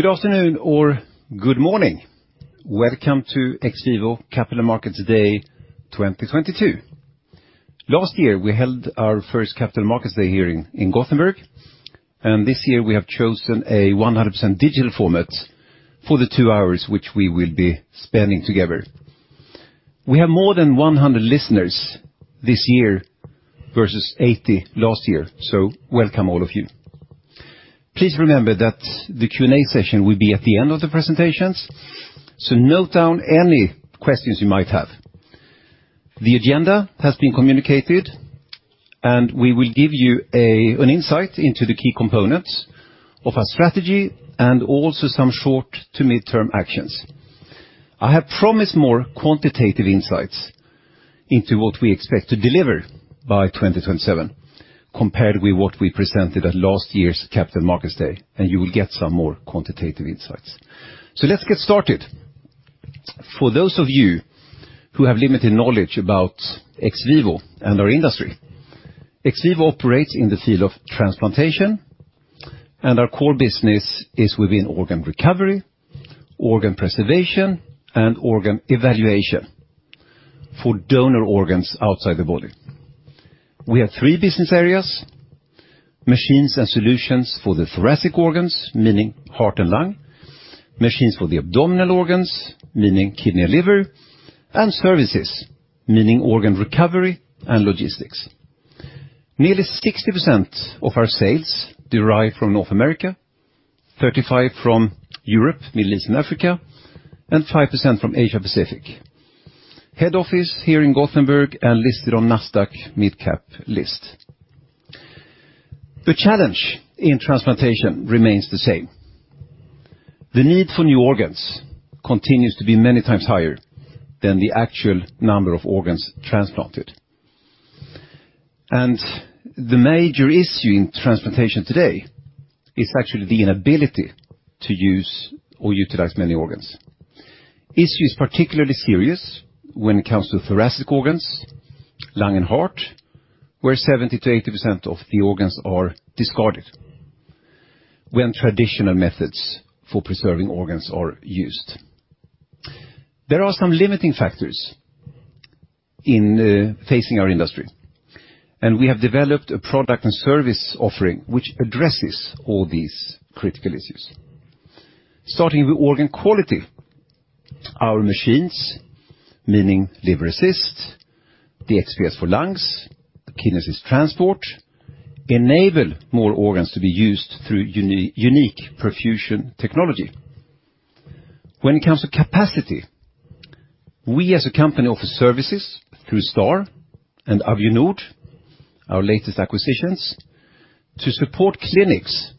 Good afternoon or good morning. Welcome to XVIVO Capital Markets Day 2022. Last year, we held our first Capital Markets Day here in Gothenburg, and this year we have chosen a 100% digital format for the two hours which we will be spending together. We have more than 100 listeners this year versus 80 last year, so welcome all of you. Please remember that the Q&A session will be at the end of the presentations, so note down any questions you might have. The agenda has been communicated, and we will give you an insight into the key components of our strategy and also some short to mid-term actions. I have promised more quantitative insights into what we expect to deliver by 2027 compared with what we presented at last year's Capital Markets Day, and you will get some more quantitative insights. Let's get started. For those of you who have limited knowledge about XVIVO and our industry, XVIVO operates in the field of transplantation, and our core business is within organ recovery, organ preservation, and organ evaluation for donor organs outside the body. We have three business areas, machines and solutions for the thoracic organs, meaning heart and lung. Machines for the abdominal organs, meaning kidney and liver, and services, meaning organ recovery and logistics. Nearly 60% of our sales derive from North America, 35% from Europe, Middle East and Africa, and 5% from Asia Pacific. Head office here in Gothenburg and listed on Nasdaq Mid Cap. The challenge in transplantation remains the same. The need for new organs continues to be many times higher than the actual number of organs transplanted. The major issue in transplantation today is actually the inability to use or utilize many organs. The issue is particularly serious when it comes to thoracic organs, lung and heart, where 70%-80% of the organs are discarded when traditional methods for preserving organs are used. There are some limiting factors in facing our industry, and we have developed a product and service offering which addresses all these critical issues. Starting with organ quality, our machines, meaning LiverAssist, the XPS for lungs, Kidney Assist Transport, enable more organs to be used through unique perfusion technology. When it comes to capacity, we as a company offer services through STAR Teams and Avionord, our latest acquisitions, to support clinics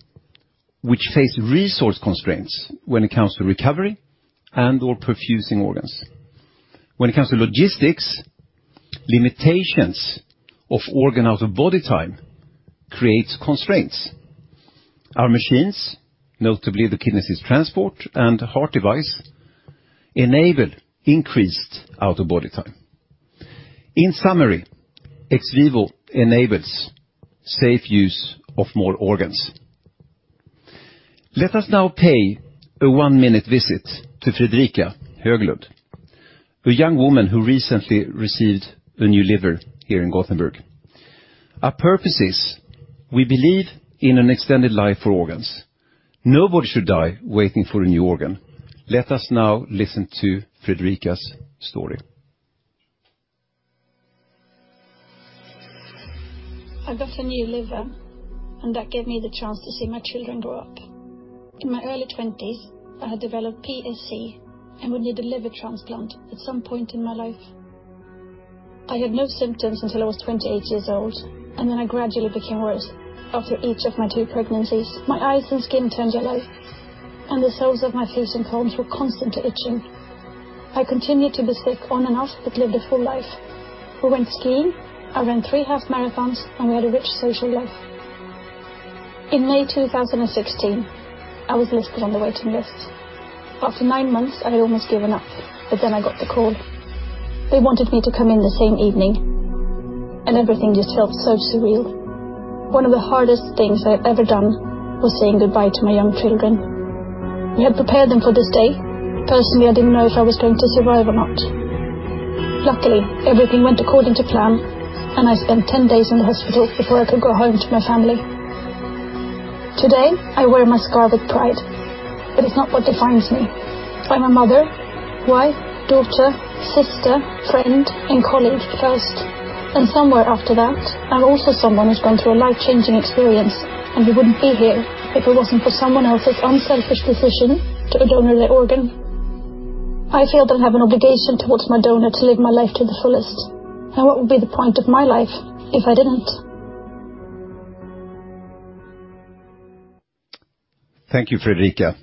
which face resource constraints when it comes to recovery and/or perfusing organs. When it comes to logistics, limitations of organ out-of-body time creates constraints. Our machines, notably the Kidney Assist Transport and heart device, enable increased out-of-body time. In summary, XVIVO enables safe use of more organs. Let us now pay a one-minute visit to Fredrika Höglund, a young woman who recently received a new liver here in Gothenburg. Our purpose is we believe in an extended life for organs. Nobody should die waiting for a new organ. Let us now listen to Fredrika's story. I got a new liver, and that gave me the chance to see my children grow up. In my early twenties, I had developed PSC and would need a liver transplant at some point in my life. I had no symptoms until I was 28 years old, and then I gradually became worse after each of my two pregnancies. My eyes and skin turned yellow, and the soles of my feet and palms were constantly itching. I continued to be sick on and off, but lived a full life. We went skiing, I ran three half marathons, and we had a rich social life. In May 2016, I was listed on the waiting list. After nine months, I had almost given up, but then I got the call. They wanted me to come in the same evening and everything just felt so surreal. One of the hardest things I have ever done was saying goodbye to my young children. We had prepared them for this day. Personally, I didn't know if I was going to survive or not. Luckily, everything went according to plan, and I spent 10 days in the hospital before I could go home to my family. Today, I wear my scar with pride, but it's not what defines me. I'm a mother, wife, daughter, sister, friend, and colleague first. Somewhere after that, I'm also someone who's gone through a life-changing experience, and who wouldn't be here if it wasn't for someone else's unselfish decision to donate their organ. I feel that I have an obligation towards my donor to live my life to the fullest. What would be the point of my life if I didn't? Thank you, Fredrika.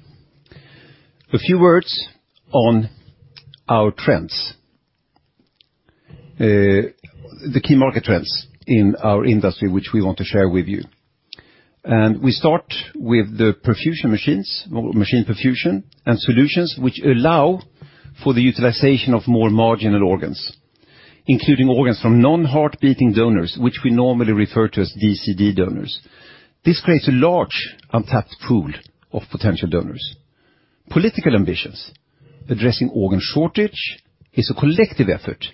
A few words on our trends. The key market trends in our industry which we want to share with you. We start with the perfusion machines or machine perfusion and solutions which allow for the utilization of more marginal organs, including organs from non-heart beating donors, which we normally refer to as DCD donors. This creates a large untapped pool of potential donors. Political ambitions. Addressing organ shortage is a collective effort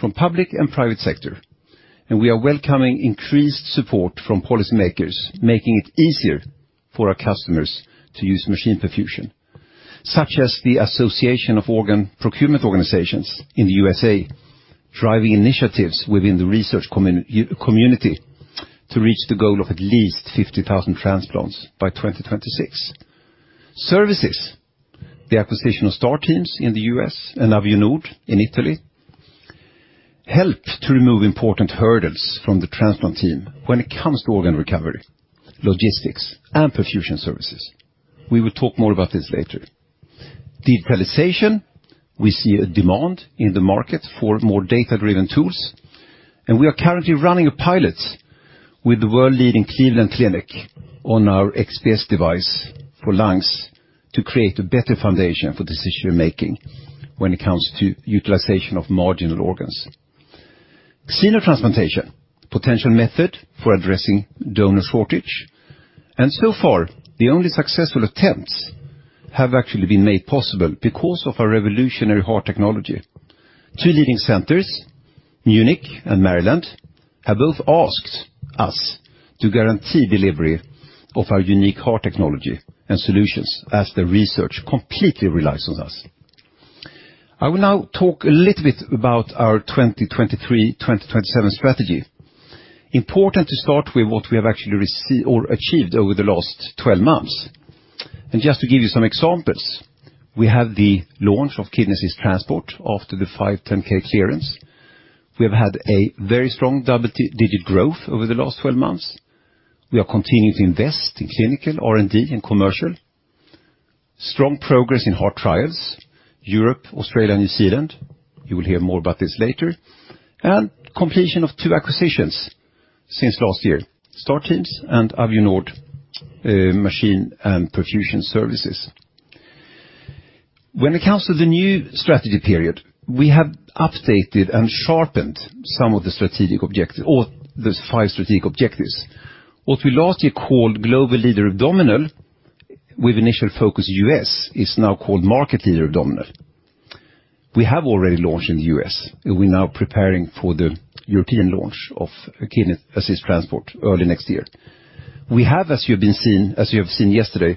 from public and private sector, and we are welcoming increased support from policymakers, making it easier for our customers to use machine perfusion, such as the Association of Organ Procurement Organizations in the USA, driving initiatives within the research community to reach the goal of at least 50,000 transplants by 2026. Services. The acquisition of STAR Teams in the U.S. and Avionord in Italy helps to remove important hurdles from the transplant team when it comes to organ recovery, logistics and perfusion services. We will talk more about this later. Digitalization. We see a demand in the market for more data-driven tools, and we are currently running a pilot with the world-leading Cleveland Clinic on our XPS device for lungs to create a better foundation for decision-making when it comes to utilization of marginal organs. Xenotransplantation, potential method for addressing donor shortage. So far, the only successful attempts have actually been made possible because of our revolutionary heart technology. Two leading centers, Munich and Maryland, have both asked us to guarantee delivery of our unique heart technology and solutions as their research completely relies on us. I will now talk a little bit about our 2023-2027 strategy. Important to start with what we have actually achieved over the last 12 months. Just to give you some examples, we have the launch of Kidney Assist Transport after the 510(k) clearance. We have had a very strong double-digit growth over the last 12 months. We are continuing to invest in clinical R&D and commercial. Strong progress in heart trials, Europe, Australia, New Zealand. You will hear more about this later. Completion of 2 acquisitions since last year, STAR Teams and Avionord machine and perfusion services. When it comes to the new strategy period, we have updated and sharpened some of the strategic objective or the 5 strategic objectives. What we last year called Global Leader Abdominal with initial focus U.S., is now called Market Leader Abdominal. We have already launched in the U.S., and we're now preparing for the European launch of Kidney Assist Transport early next year. We have, as you have seen yesterday,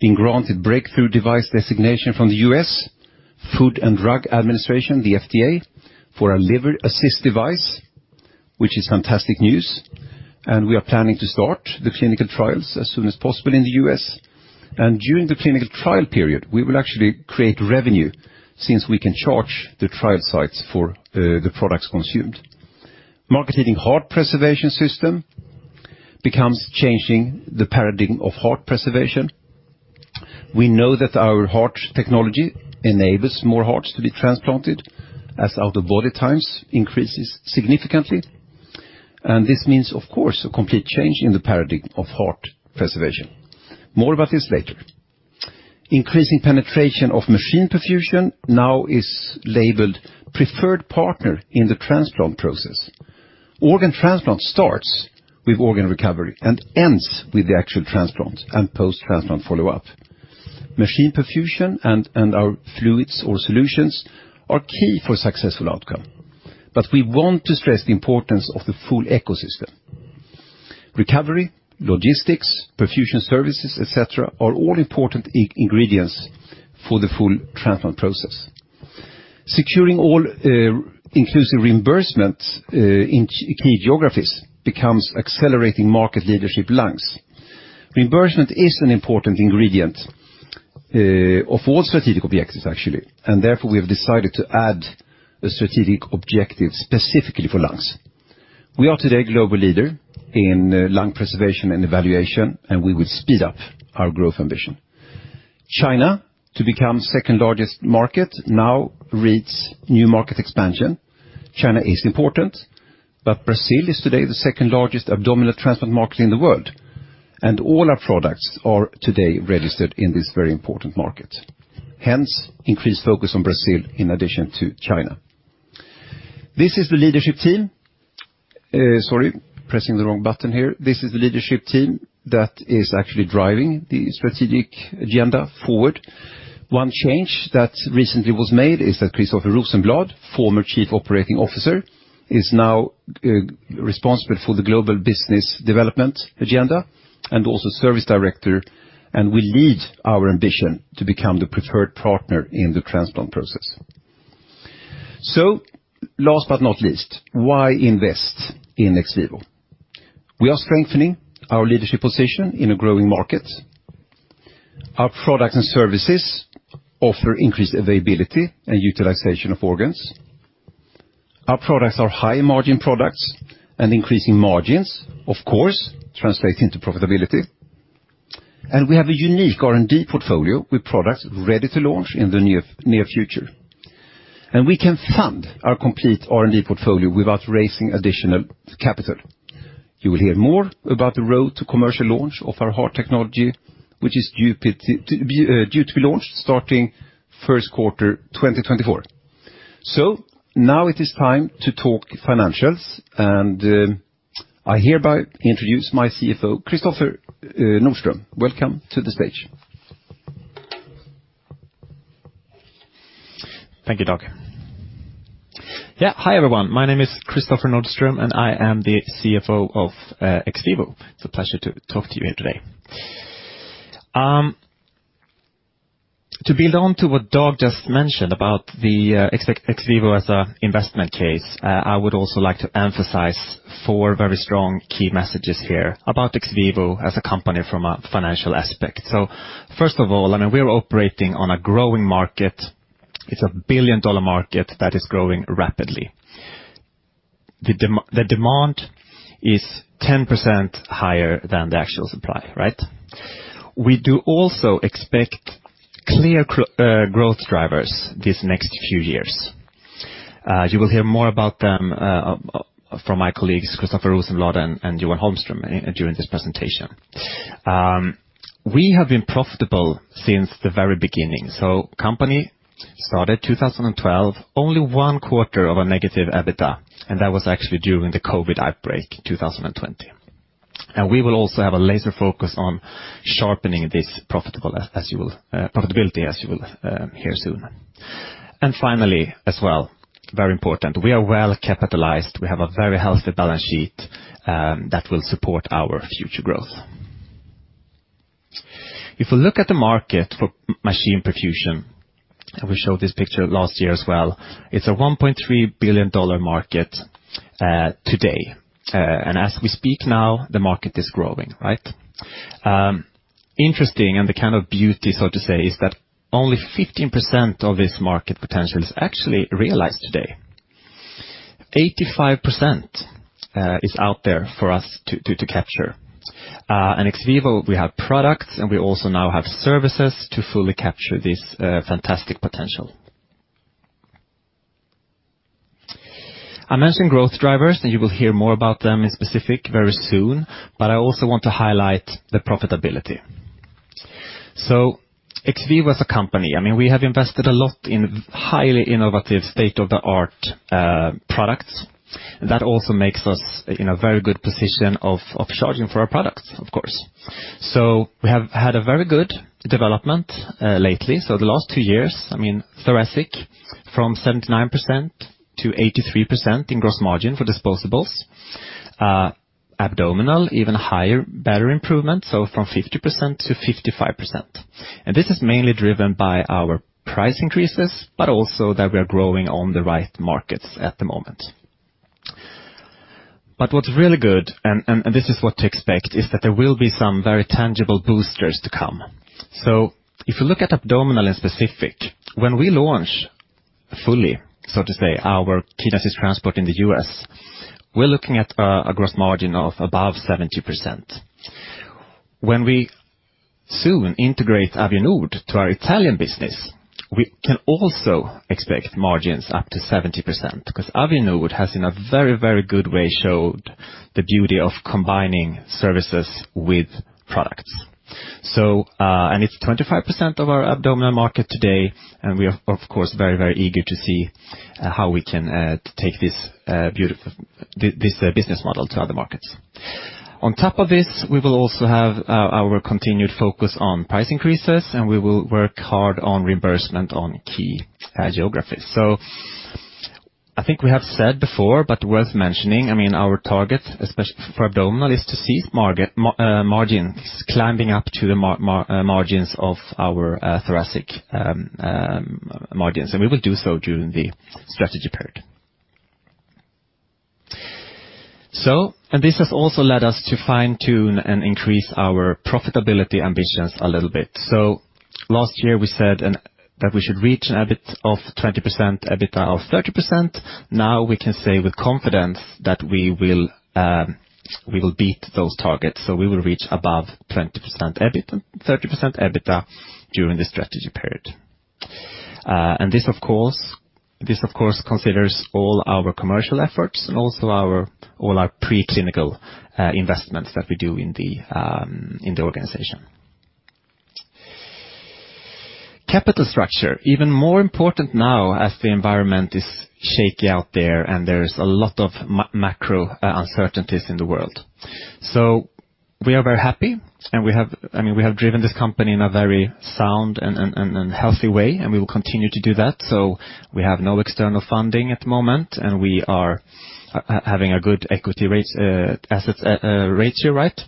been granted Breakthrough Device designation from the U.S. Food and Drug Administration, the FDA, for our Liver Assist device, which is fantastic news. We are planning to start the clinical trials as soon as possible in the U.S. During the clinical trial period, we will actually create revenue since we can charge the trial sites for the products consumed. Market-leading heart preservation system becomes changing the paradigm of heart preservation. We know that our heart technology enables more hearts to be transplanted as out-of-body times increases significantly. This means, of course, a complete change in the paradigm of heart preservation. More about this later. Increasing penetration of machine perfusion now is labeled preferred partner in the transplant process. Organ transplant starts with organ recovery and ends with the actual transplant and post-transplant follow-up. Machine perfusion and our fluids or solutions are key for successful outcome. We want to stress the importance of the full ecosystem. Recovery, logistics, perfusion services, et cetera, are all important ingredients for the full transplant process. Securing all-inclusive reimbursement in geographies becomes accelerating market leadership lungs. Reimbursement is an important ingredient of all strategic objectives, actually, and therefore we have decided to add a strategic objective specifically for lungs. We are today global leader in lung preservation and evaluation, and we will speed up our growth ambition. China to become second-largest market now reads new market expansion. China is important, but Brazil is today the second-largest abdominal transplant market in the world, and all our products are today registered in this very important market. Hence, increased focus on Brazil in addition to China. This is the leadership team that is actually driving the strategic agenda forward. One change that recently was made is that Christoffer Rosenblad, former Chief Operating Officer, is now responsible for the global business development agenda and also service director, and will lead our ambition to become the preferred partner in the transplant process. Last but not least, why invest in XVIVO? We are strengthening our leadership position in a growing market. Our products and services offer increased availability and utilization of organs. Our products are high-margin products and increasing margins, of course, translate into profitability. We have a unique R&D portfolio with products ready to launch in the near future. We can fund our complete R&D portfolio without raising additional capital. You will hear more about the road to commercial launch of our heart technology, which is due to be launched starting Q1 2024. Now it is time to talk financials, and I hereby introduce my CFO, Kristoffer Nordström. Welcome to the stage. Thank you, Dag. Yeah. Hi, everyone. My name is Kristoffer Nordström, and I am the CFO of XVIVO. It's a pleasure to talk to you here today. To build on to what Dag just mentioned about the XVIVO as a investment case, I would also like to emphasize four very strong key messages here about XVIVO as a company from a financial aspect. First of all, I mean, we are operating on a growing market. It's a billion-dollar market that is growing rapidly. The demand is 10% higher than the actual supply, right? We do also expect clear growth drivers these next few years. You will hear more about them from my colleagues, Christoffer Rosenblad and Johan Holmström during this presentation. We have been profitable since the very beginning. Company started 2012, only Q1 of a negative EBITDA, and that was actually during the COVID outbreak, 2020. We will also have a laser focus on sharpening this profitability, as you will hear soon. Finally, as well, very important, we are well capitalized. We have a very healthy balance sheet that will support our future growth. If you look at the market for machine perfusion, and we showed this picture last year as well, it's a $1.3 billion market today. And as we speak now, the market is growing, right? Interesting and the kind of beauty, so to say, is that only 15% of this market potential is actually realized today. 85%, is out there for us to capture. At XVIVO, we have products, and we also now have services to fully capture this fantastic potential. I mentioned growth drivers, and you will hear more about them in specifics very soon, but I also want to highlight the profitability. XVIVO as a company, I mean, we have invested a lot in highly innovative state-of-the-art products. That also makes us in a very good position of charging for our products, of course. We have had a very good development lately. The last two years, I mean, thoracic from 79%-83% in gross margin for disposables. Abdominal, even higher, better improvement, so from 50%-55%. This is mainly driven by our price increases, but also that we are growing on the right markets at the moment. What's really good, this is what to expect, is that there will be some very tangible boosters to come. If you look at abdominal in specific, when we launch fully, so to say, our Kidney Assist Transport in the U.S., we're looking at a gross margin of above 70%. When we soon integrate Avionord to our Italian business, we can also expect margins up to 70% because Avionord has, in a very good way, showed the beauty of combining services with products. It's 25% of our abdominal market today, and we are, of course, eager to see how we can take this beautiful business model to other markets. On top of this, we will also have our continued focus on price increases, and we will work hard on reimbursement on key geographies. I think we have said before, but worth mentioning, I mean, our target, especially for abdominal, is to see margins climbing up to the margins of our thoracic margins. We will do so during the strategy period. This has also led us to fine-tune and increase our profitability ambitions a little bit. Last year, we said that we should reach an EBIT of 20%, EBITDA of 30%. Now we can say with confidence that we will beat those targets. We will reach above 20% EBIT, 30% EBITDA during the strategy period. This, of course, considers all our commercial efforts and also all our preclinical investments that we do in the organization. Capital structure. Even more important now as the environment is shaky out there and there is a lot of macro uncertainties in the world. We are very happy, and we have, I mean, we have driven this company in a very sound and healthy way, and we will continue to do that. We have no external funding at the moment, and we are having a good equity-to-assets ratio right.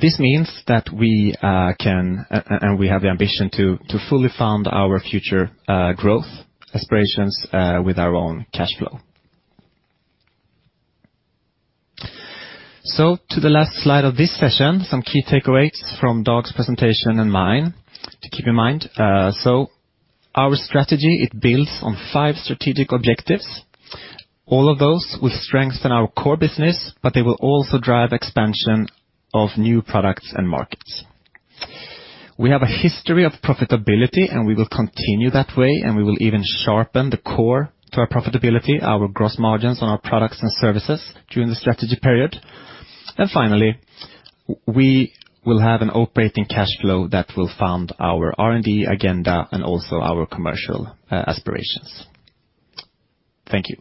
This means that we can, and we have the ambition to fully fund our future growth aspirations with our own cash flow. To the last slide of this session, some key takeaways from Dag's presentation and mine to keep in mind. Our strategy, it builds on five strategic objectives. All of those will strengthen our core business, but they will also drive expansion of new products and markets. We have a history of profitability, and we will continue that way, and we will even sharpen the core to our profitability, our gross margins on our products and services during the strategy period. Finally, we will have an operating cash flow that will fund our R&D agenda and also our commercial aspirations. Thank you.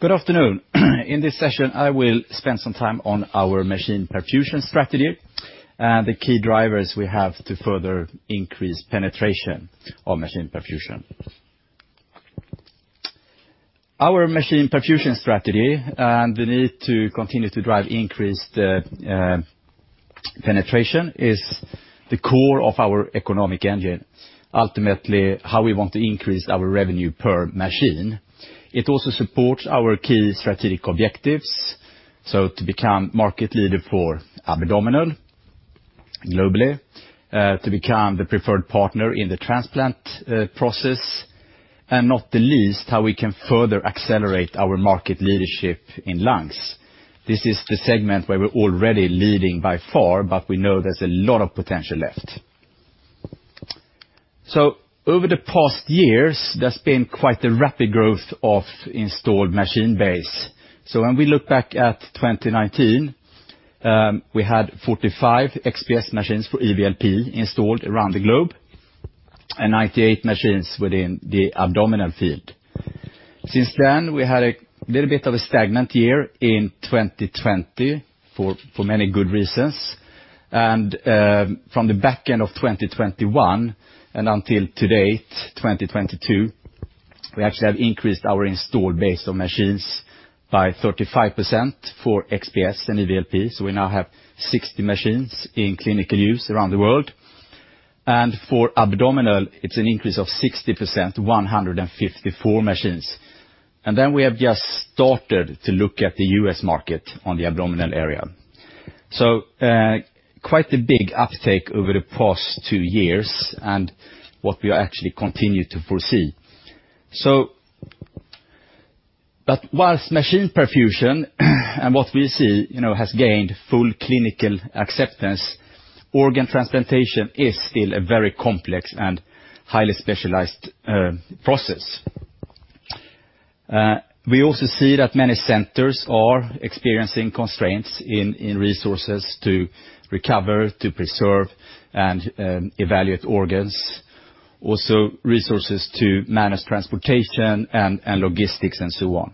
Good afternoon. In this session, I will spend some time on our machine perfusion strategy, the key drivers we have to further increase penetration of machine perfusion. Our machine perfusion strategy and the need to continue to drive increased penetration is the core of our economic engine, ultimately, how we want to increase our revenue per machine. It also supports our key strategic objectives, so to become market leader for abdominal globally, to become the preferred partner in the transplant process, and not the least, how we can further accelerate our market leadership in lungs. This is the segment where we're already leading by far, but we know there's a lot of potential left. Over the past years, there's been quite a rapid growth of installed machine base. When we look back at 2019, we had 45 XPS machines for EVLP installed around the globe and 98 machines within the abdominal field. Since then, we had a little bit of a stagnant year in 2020 for many good reasons. From the back end of 2021 and until to date, 2022, we actually have increased our installed base of machines by 35% for XPS and EVLP, so we now have 60 machines in clinical use around the world. For abdominal, it's an increase of 60%, 154 machines. Then we have just started to look at the U.S. market on the abdominal area. Quite a big uptake over the past two years and what we actually continue to foresee. While machine perfusion and what we see,, has gained full clinical acceptance, organ transplantation is still a very complex and highly specialized process. We also see that many centers are experiencing constraints in resources to recover, to preserve, and evaluate organs, also resources to manage transportation and logistics and so on.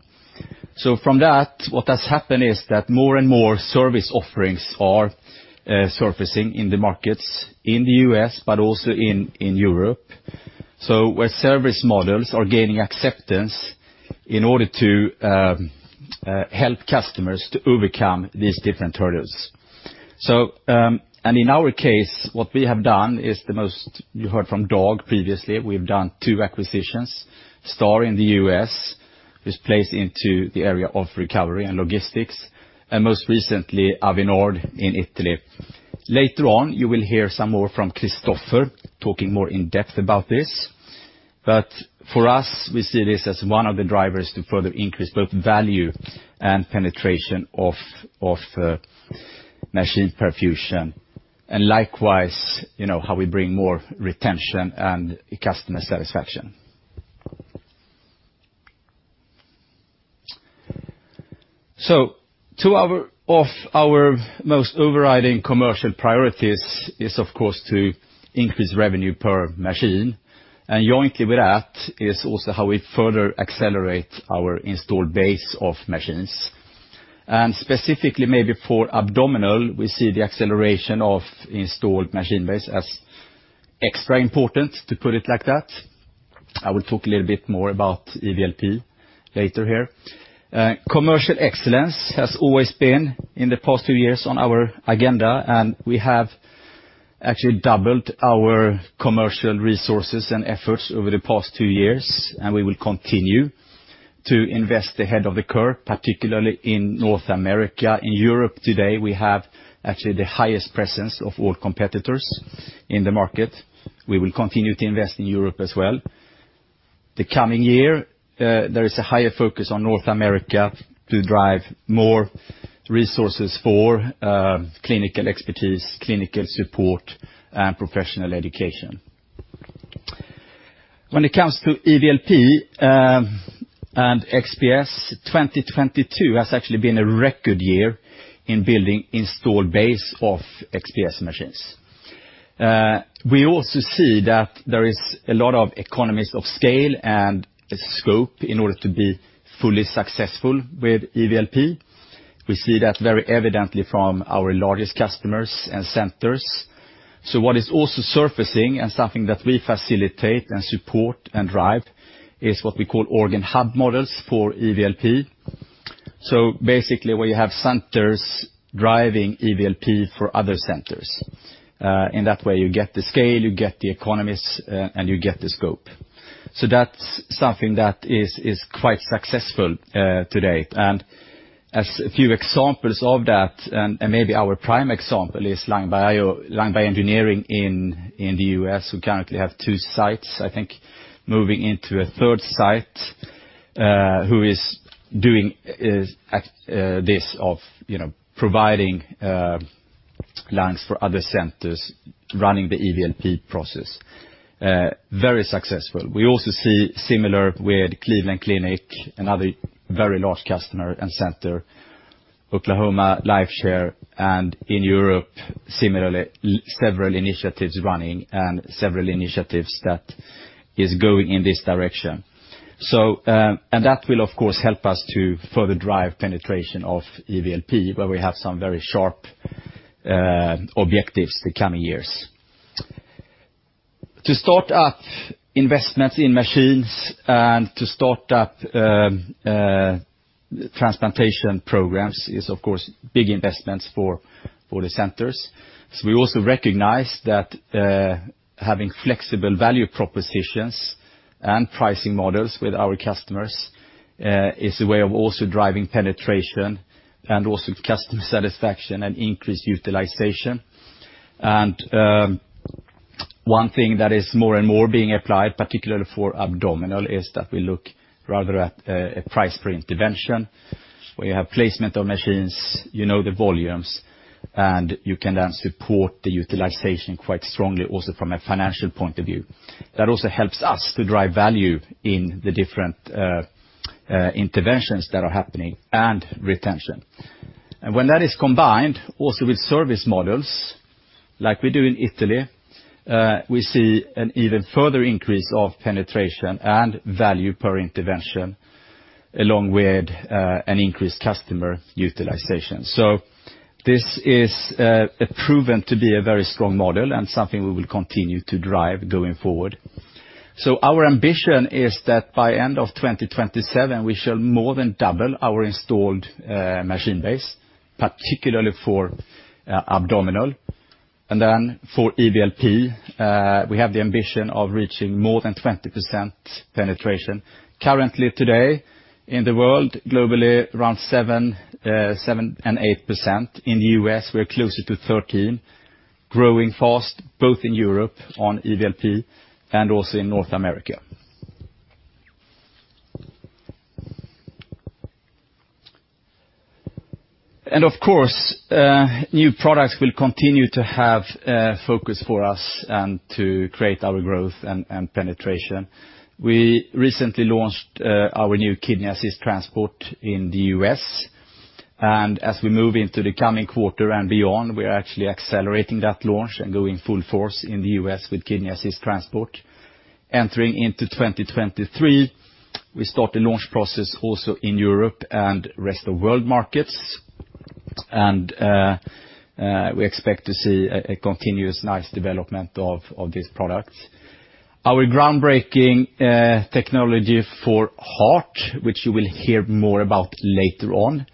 From that, what has happened is that more and more service offerings are surfacing in the markets in the U.S., but also in Europe. Where service models are gaining acceptance in order to help customers to overcome these different hurdles. In our case, what we have done is, you heard from Dag previously, we've done two acquisitions. STAR in the U.S. Is placed into the area of recovery and logistics, and most recently, Avionord in Italy. Later on, you will hear some more from Christoffer talking more in-depth about this. For us, we see this as one of the drivers to further increase both value and penetration of machine perfusion, and likewise,, how we bring more retention and customer satisfaction. Two of our most overriding commercial priorities is of course to increase revenue per machine. Jointly with that is also how we further accelerate our installed base of machines. Specifically maybe for abdominal, we see the acceleration of installed machine base as extra important, to put it like that. I will talk a little bit more about EVLP later here. Commercial excellence has always been, in the past two years, on our agenda, and we have actually doubled our commercial resources and efforts over the past two years, and we will continue to invest ahead of the curve, particularly in North America. In Europe today, we have actually the highest presence of all competitors in the market. We will continue to invest in Europe as well. The coming year, there is a higher focus on North America to drive more resources for clinical expertise, clinical support, and professional education. When it comes to EVLP and XPS, 2022 has actually been a record year in building installed base of XPS machines. We also see that there is a lot of economies of scale and scope in order to be fully successful with EVLP. We see that very evidently from our largest customers and centers. What is also surfacing and something that we facilitate and support and drive is what we call organ hub models for EVLP. Basically, where you have centers driving EVLP for other centers. In that way, you get the scale, you get the economies and you get the scope. That's something that is quite successful today. As a few examples of that, maybe our prime example is Lung Bioengineering in the U.S., who currently have two sites, I think, moving into a third site, who is doing,, providing lungs for other centers, running the EVLP process. Very successful. We also see similar with Cleveland Clinic, another very large customer and center, LifeShare of Oklahoma, and in Europe, similarly, several initiatives running and several initiatives that is going in this direction. And that will, of course, help us to further drive penetration of EVLP, where we have some very sharp objectives the coming years. To start up investments in machines and to start up transplantation programs is, of course, big investments for the centers. We also recognize that, having flexible value propositions and pricing models with our customers, is a way of also driving penetration and also customer satisfaction and increased utilization. One thing that is more and more being applied, particularly for abdominal, is that we look rather at, a price per intervention. Where you have placement of machines, the volumes, and you can then support the utilization quite strongly also from a financial point of view. That also helps us to drive value in the different interventions that are happening and retention. When that is combined also with service models, like we do in Italy, we see an even further increase of penetration and value per intervention, along with an increased customer utilization. This is proven to be a very strong model and something we will continue to drive going forward. Our ambition is that by end of 2027, we shall more than double our installed machine base, particularly for abdominal. Then for EVLP, we have the ambition of reaching more than 20% penetration. Currently today, in the world, globally, around 7%-8%. In the U.S., we're closer to 13%, growing fast, both in Europe on EVLP and also in North America. Of course, new products will continue to have focus for us and to create our growth and penetration. We recently launched our new Kidney Assist Transport in the U.S. As we move into the coming quarter and beyond, we're actually accelerating that launch and going full force in the U.S. With Kidney Assist Transport. Entering into 2023, we start the launch process also in Europe and rest of world markets. We expect to see a continuous nice development of these products. Our groundbreaking technology for heart, which you will hear more about later on.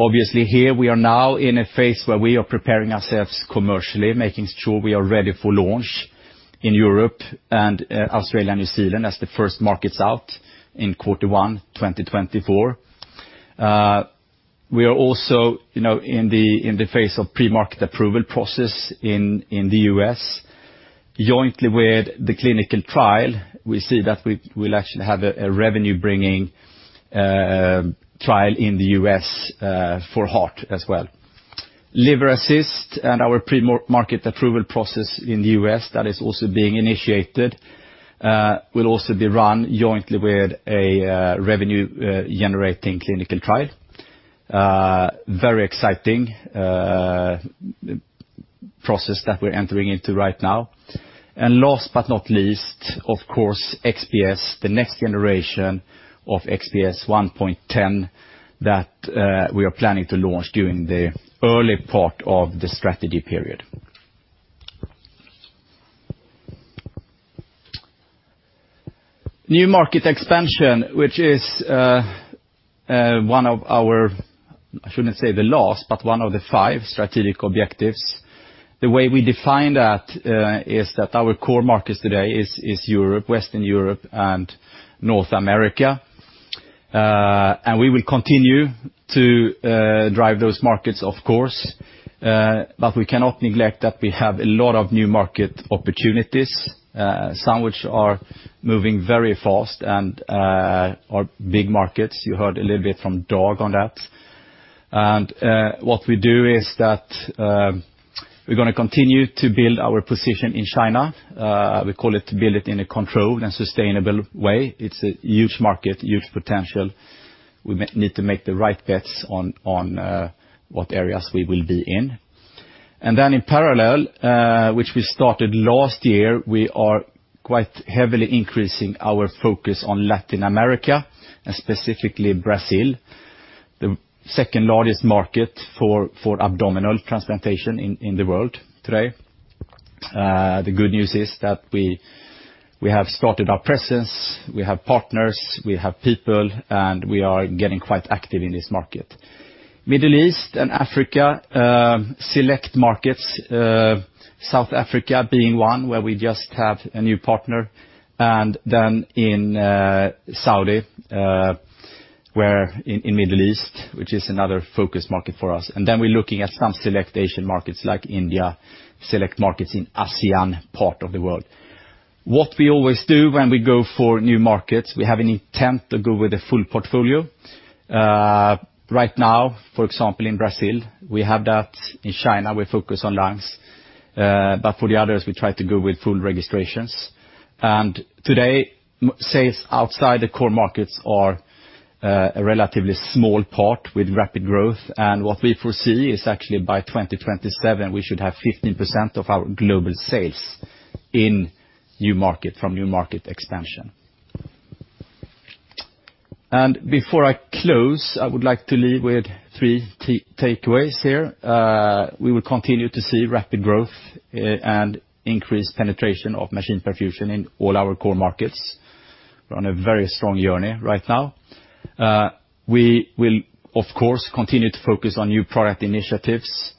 Obviously, here we are now in a phase where we are preparing ourselves commercially, making sure we are ready for launch in Europe and Australia and New Zealand as the first markets out in Q1 2024. We are also in the phase of pre-market approval process in the U.S. Jointly with the clinical trial, we see that we'll actually have a revenue-bringing trial in the U.S. for heart as well. Liver Assist and our Premarket Approval process in the U.S. that is also being initiated will also be run jointly with a revenue-generating clinical trial. Very exciting process that we're entering into right now. Last but not least, of course, XPS, the next generation of XPS 1.10 that we are planning to launch during the early part of the strategy period. New market expansion, which is one of our, I shouldn't say the last, but one of the five strategic objectives. The way we define that is that our core markets today is Europe, Western Europe and North America. We will continue to drive those markets, of course, but we cannot neglect that we have a lot of new market opportunities, some which are moving very fast and are big markets. You heard a little bit from Dag on that. What we do is that we're gonna continue to build our position in China. We call it build it in a controlled and sustainable way. It's a huge market, huge potential. We need to make the right bets on what areas we will be in. Then in parallel, which we started last year, we are quite heavily increasing our focus on Latin America, and specifically Brazil. The second largest market for abdominal transplantation in the world today. The good news is that we have started our presence, we have partners, we have people, and we are getting quite active in this market. Middle East and Africa, select markets, South Africa being one where we just have a new partner, and then in Saudi, where in Middle East, which is another focus market for us. We're looking at some select Asian markets like India, select markets in ASEAN part of the world. What we always do when we go for new markets, we have an intent to go with a full portfolio. Right now, for example, in Brazil, we have that. In China, we focus on lungs. But for the others, we try to go with full registrations. Today, sales outside the core markets are a relatively small part with rapid growth. What we foresee is actually by 2027, we should have 15% of our global sales in new market, from new market expansion. Before I close, I would like to leave with three takeaways here. We will continue to see rapid growth, and increased penetration of machine perfusion in all our core markets. We're on a very strong journey right now. We will of course continue to focus on new product initiatives,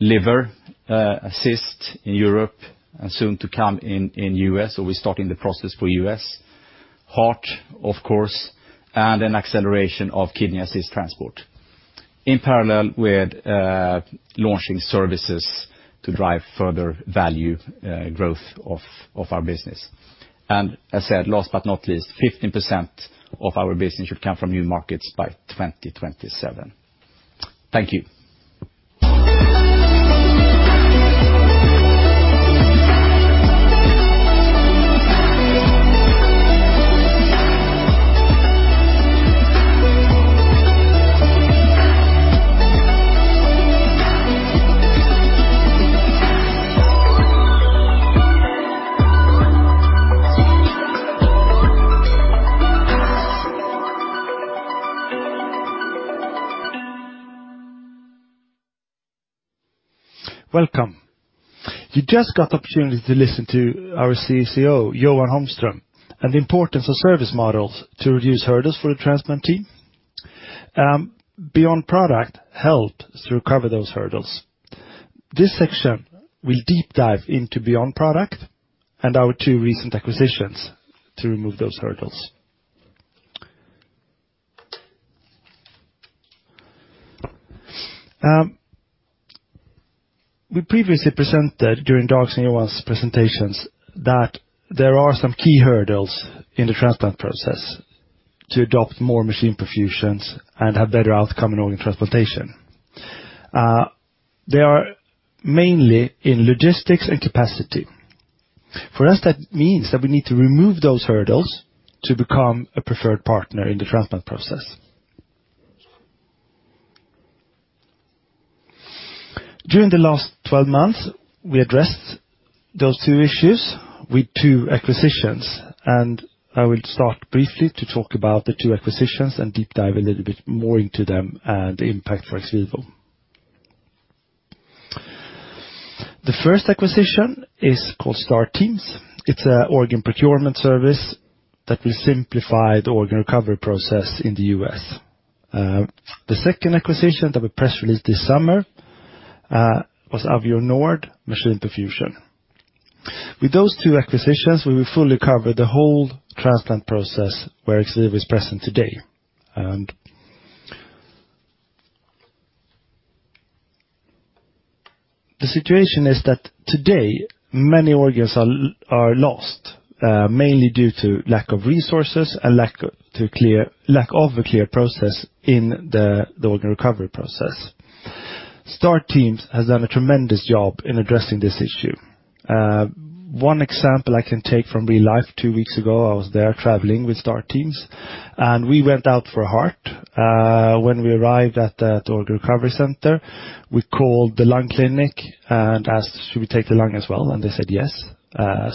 Liver Assist in Europe and soon to come in U.S., so we're starting the process for U.S. Heart, of course, and an acceleration of Kidney Assist Transport. In parallel with launching services to drive further value growth of our business. As said, last but not least, 15% of our business should come from new markets by 2027. Thank you. Welcome. You just got the opportunity to listen to our CCO, Johan Holmström, and the importance of service models to reduce hurdles for the transplant team. Beyond product helped to recover those hurdles. This section will deep dive into beyond product and our two recent acquisitions to remove those hurdles. We previously presented during Dag's and Johan's presentations that there are some key hurdles in the transplant process to adopt more machine perfusions and have better outcome in organ transplantation. They are mainly in logistics and capacity. For us, that means that we need to remove those hurdles to become a preferred partner in the transplant process. During the last 12 months, we addressed those two issues with two acquisitions, and I will start briefly to talk about the two acquisitions and deep dive a little bit more into them and the impact for XVIVO. The first acquisition is called STAR Teams. It's an organ procurement service that will simplify the organ recovery process in the U.S. The second acquisition that we press released this summer was Avionord Machine Perfusion. With those two acquisitions, we will fully cover the whole transplant process where XVIVO is present today. The situation is that today, many organs are lost, mainly due to lack of resources and lack of a clear process in the organ recovery process. STAR Teams has done a tremendous job in addressing this issue. One example I can take from real life, two weeks ago, I was there traveling with STAR Teams, and we went out for a heart. When we arrived at the organ recovery center, we called the lung clinic and asked, "Should we take the lung as well?" They said, "Yes."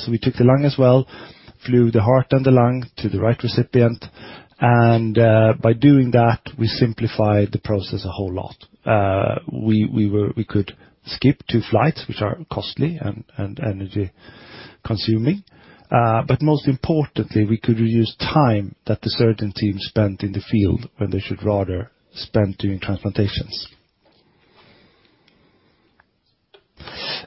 We took the lung as well, flew the heart and the lung to the right recipient. By doing that, we simplified the process a whole lot. We could skip two flights, which are costly and energy consuming. Most importantly, we could reuse time that the surgeon team spent in the field when they should rather spend doing transplantations.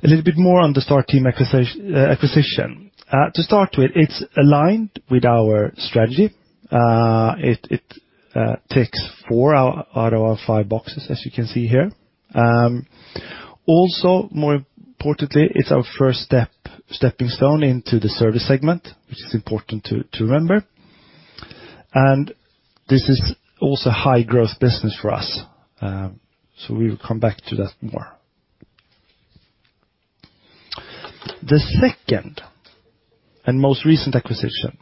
A little bit more on the STAR Teams acquisition. To start with, it's aligned with our strategy. It ticks four out of our five boxes, as you can see here. Also, more importantly, it's our first step, stepping stone into the service segment, which is important to remember. This is also high-growth business for us, so we will come back to that more. The second and most recent acquisition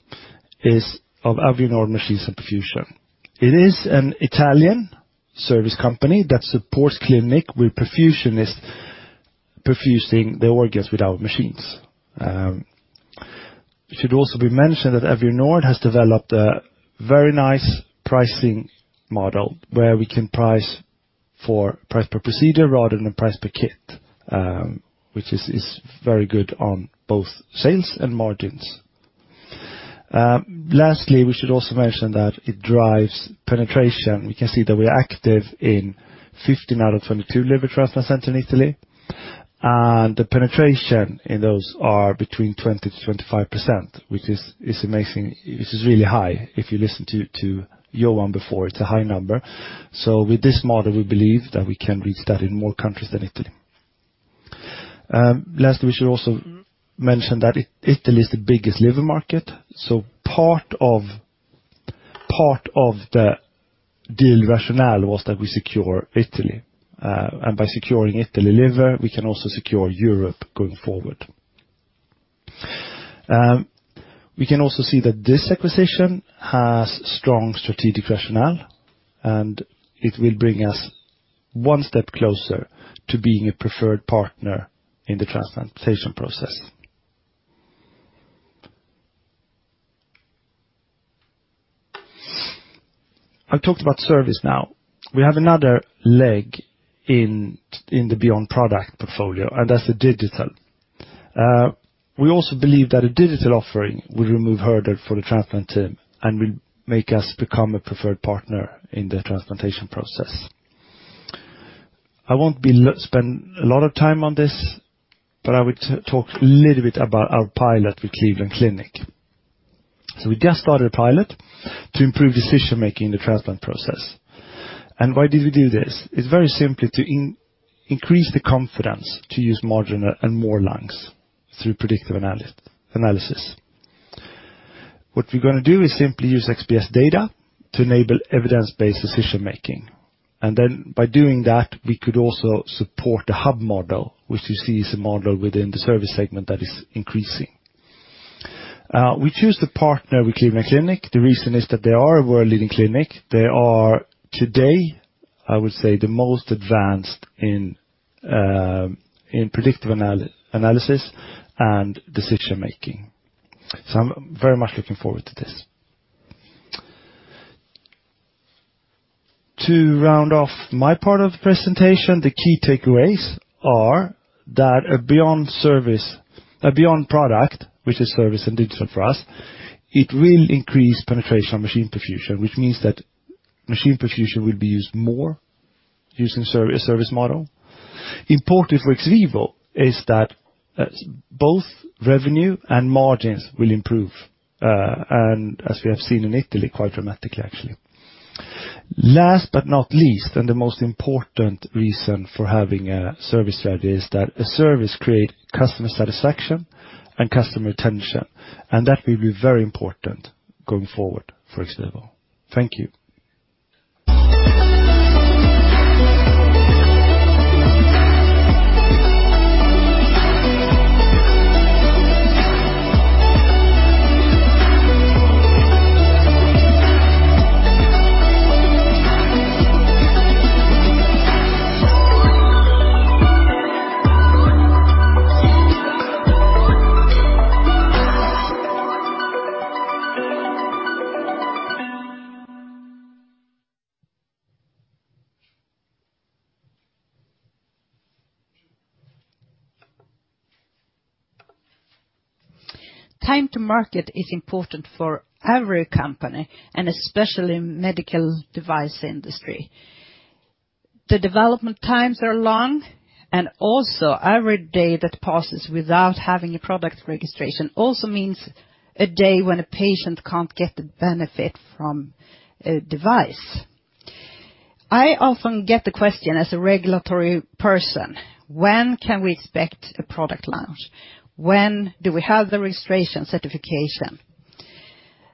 is of Avionord Machines and Perfusion. It is an Italian service company that supports clinics with perfusionists perfusing the organs with our machines. It should also be mentioned that Avionord has developed a very nice pricing model where we can price per procedure rather than a price per kit, which is very good on both sales and margins. Lastly, we should also mention that it drives penetration. We can see that we're active in 50 out of 22 liver transplant centers in Italy, and the penetration in those are between 20%-25%, which is amazing. This is really high. If you listen to Johan before, it's a high number. With this model, we believe that we can reach that in more countries than Italy. Lastly, we should also mention that Italy is the biggest liver market. Part of the deal rationale was that we secure Italy. By securing Italy liver, we can also secure Europe going forward. We can also see that this acquisition has strong strategic rationale, and it will bring us one step closer to being a preferred partner in the transplantation process. I talked about service now. We have another leg in the beyond product portfolio, and that's the digital. We also believe that a digital offering will remove hurdle for the transplant team and will make us become a preferred partner in the transplantation process. I won't spend a lot of time on this, but I would talk a little bit about our pilot with Cleveland Clinic. We just started a pilot to improve decision-making in the transplant process. Why did we do this? It's very simply to increase the confidence to use marginal and more lungs through predictive analysis. What we're gonna do is simply use XPS data to enable evidence-based decision making. Then by doing that, we could also support the hub model, which you see is a model within the service segment that is increasing. We choose to partner with Cleveland Clinic. The reason is that they are a world-leading clinic. They are today, I would say, the most advanced in predictive analysis and decision making. I'm very much looking forward to this. To round off my part of the presentation, the key takeaways are that a beyond product, which is service and digital for us, it will increase penetration on machine perfusion, which means that machine perfusion will be used more using service model. Important for XVIVO is that both revenue and margins will improve, and as we have seen in Italy, quite dramatically, actually. Last but not least, and the most important reason for having a service there is that a service create customer satisfaction and customer retention, and that will be very important going forward for XVIVO. Thank you. Time to market is important for every company, and especially in medical device industry. The development times are long, and also every day that passes without having a product registration also means a day when a patient can't get the benefit from a device. I often get the question as a regulatory person, "When can we expect a product launch? When do we have the registration certification?"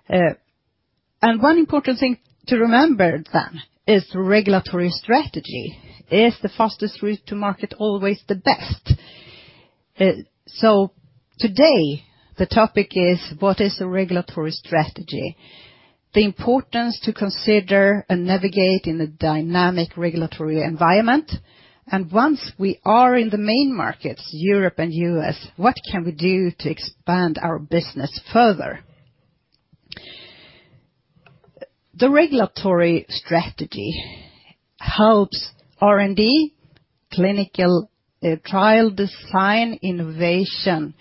One important thing to remember then is regulatory strategy. Is the fastest route to market always the best? Today the topic is what is a regulatory strategy, the importance to consider and navigate in a dynamic regulatory environment. Once we are in the main markets, Europe and U.S., what can we do to expand our business further? The regulatory strategy helps R&D, clinical, trial design innovation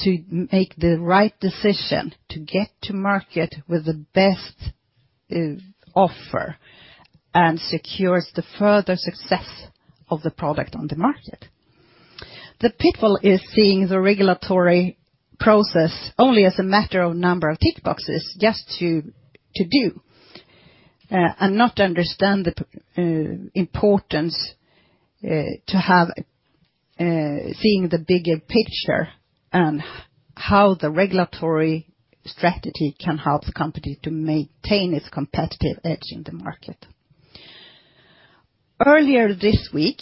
to make the right decision to get to market with the best, offer and secures the further success of the product on the market. The pitfall is seeing the regulatory process only as a matter of number of tick boxes just to do, and not understand the importance to have seeing the bigger picture and how the regulatory strategy can help the company to maintain its competitive edge in the market. Earlier this week,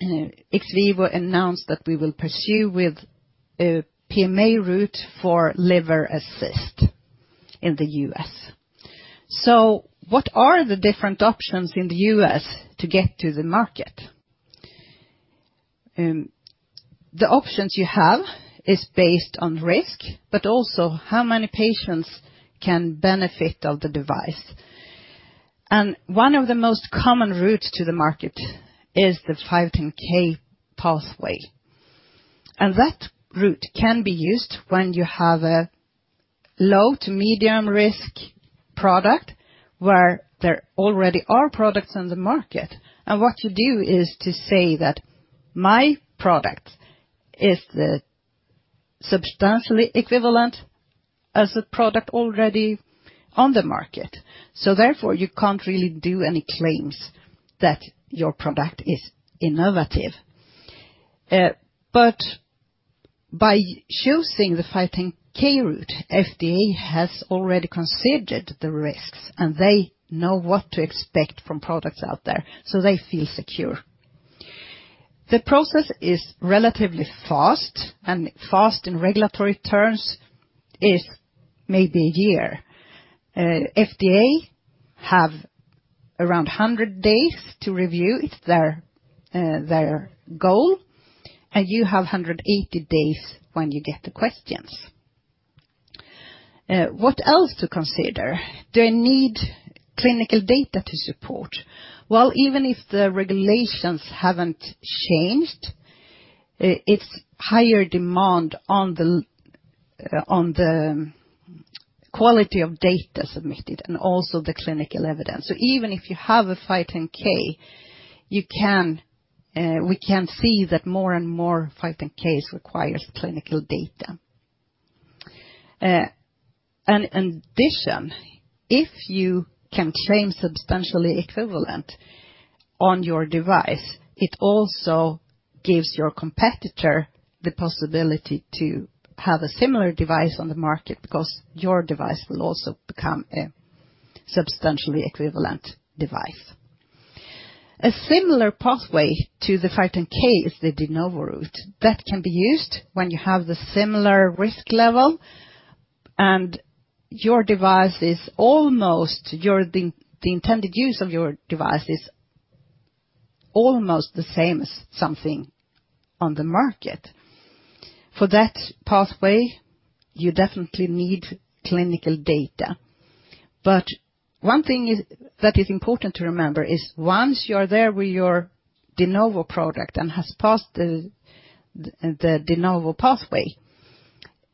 XVIVO announced that we will pursue with a PMA route for Liver Assist in the U.S. What are the different options in the U.S. to get to the market? The options you have is based on risk, but also how many patients can benefit of the device. One of the most common routes to the market is the 510(k) pathway. That route can be used when you have a low to medium risk product where there already are products on the market. What you do is to say that my product is substantially equivalent as a product already on the market. Therefore, you can't really do any claims that your product is innovative. By choosing the 510(k) route, FDA has already considered the risks, and they know what to expect from products out there, so they feel secure. The process is relatively fast, and fast in regulatory terms is maybe a year. FDA have around 100 days to review. It's their goal. You have 180 days when you get the questions. What else to consider? Do I need clinical data to support? Well, even if the regulations haven't changed, it's higher demand on the quality of data submitted and also the clinical evidence. Even if you have a 510(k), we can see that more and more 510(k)s requires clinical data. In addition, if you can claim substantially equivalent on your device, it also gives your competitor the possibility to have a similar device on the market because your device will also become a substantially equivalent device. A similar pathway to the 510(k) is the De Novo route. That can be used when you have the similar risk level and the intended use of your device is almost the same as something on the market. For that pathway, you definitely need clinical data. One thing is, that is important to remember is once you're there with your De Novo product and has passed the De Novo pathway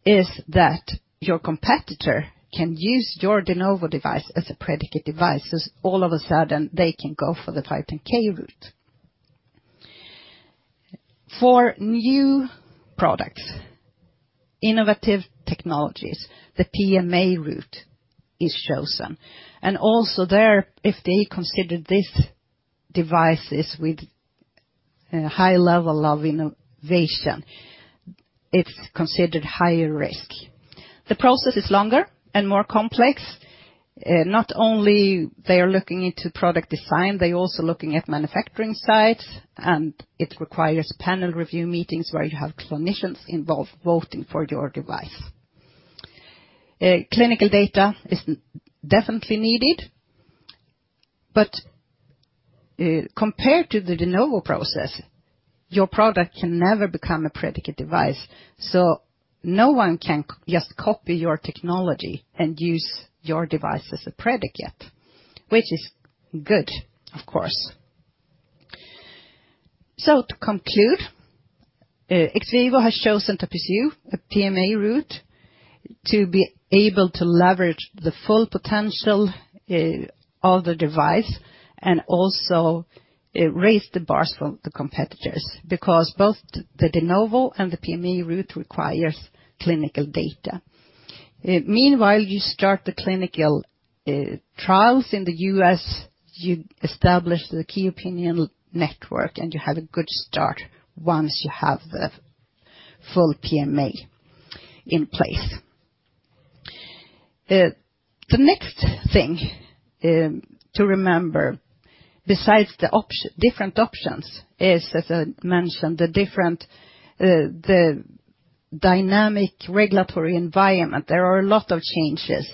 is that your competitor can use your De Novo device as a predicate device. All of a sudden, they can go for the 510(k) route. For new products, innovative technologies, the PMA route is chosen. Also there, if they consider these devices with a high level of innovation, it's considered higher risk. The process is longer and more complex. Not only they are looking into product design, they're also looking at manufacturing sites, and it requires panel review meetings where you have clinicians involved voting for your device. Clinical data is definitely needed, but compared to the De Novo process, your product can never become a predicate device. No one can just copy your technology and use your device as a predicate, which is good, of course. To conclude, XVIVO has chosen to pursue a PMA route to be able to leverage the full potential of the device and also raise the bars for the competitors because both the De Novo and the PMA route requires clinical data. Meanwhile, you start the clinical trials in the U.S., you establish the key opinion network, and you have a good start once you have the full PMA in place. The next thing to remember, besides the different options, is, as I mentioned, the dynamic regulatory environment. There are a lot of changes.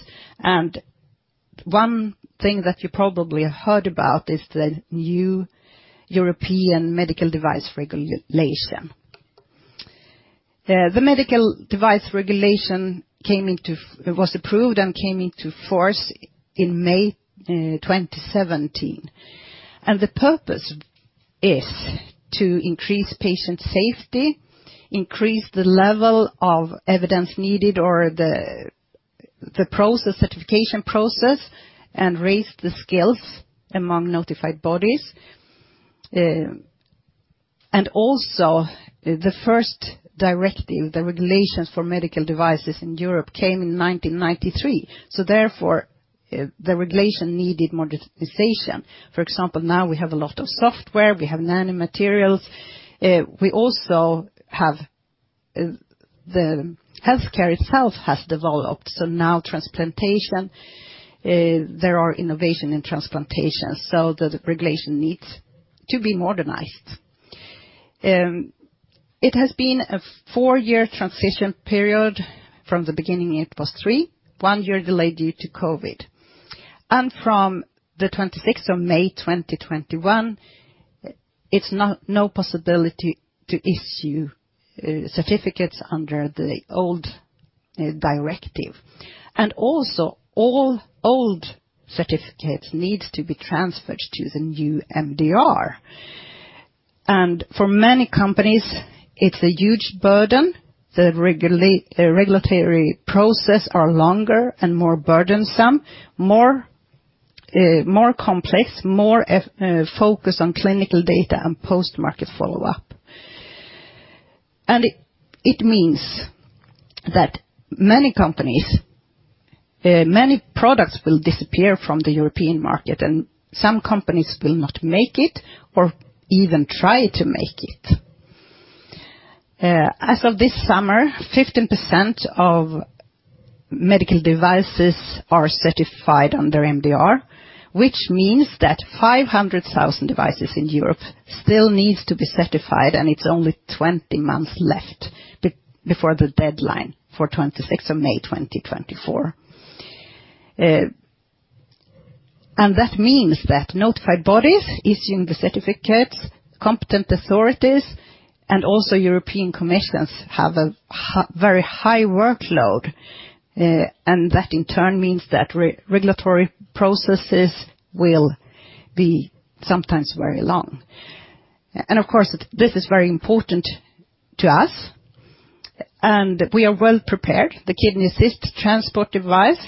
One thing that you probably heard about is the new European Medical Device Regulation. The Medical Device Regulation was approved and came into force in May 2017. The purpose is to increase patient safety, increase the level of evidence needed or the process, certification process, and raise the skills among notified bodies. The first directive, the regulations for medical devices in Europe, came in 1993, so therefore, the regulation needed modernization. For example, now we have a lot of software, we have nanomaterials. The healthcare itself has developed. Now transplantation, there are innovations in transplantation, so the regulation needs to be modernized. It has been a four-year transition period. From the beginning, it was three, one year delayed due to COVID. From the 26th of May 2021, it's not—no possibility to issue certificates under the old directive. All old certificates needs to be transferred to the new MDR. For many companies, it's a huge burden. The regulatory process are longer and more burdensome, more complex, more focused on clinical data and post-market follow-up. It means that many companies, many products will disappear from the European market, and some companies will not make it or even try to make it. As of this summer, 15% of medical devices are certified under MDR, which means that 500,000 devices in Europe still needs to be certified, and it's only 20 months left before the deadline for 26th of May 2024. That means that notified bodies issuing the certificates, competent authorities, and also European Commission have a very high workload. That in turn means that regulatory processes will be sometimes very long. Of course, this is very important to us, and we are well-prepared. The Kidney Assist Transport device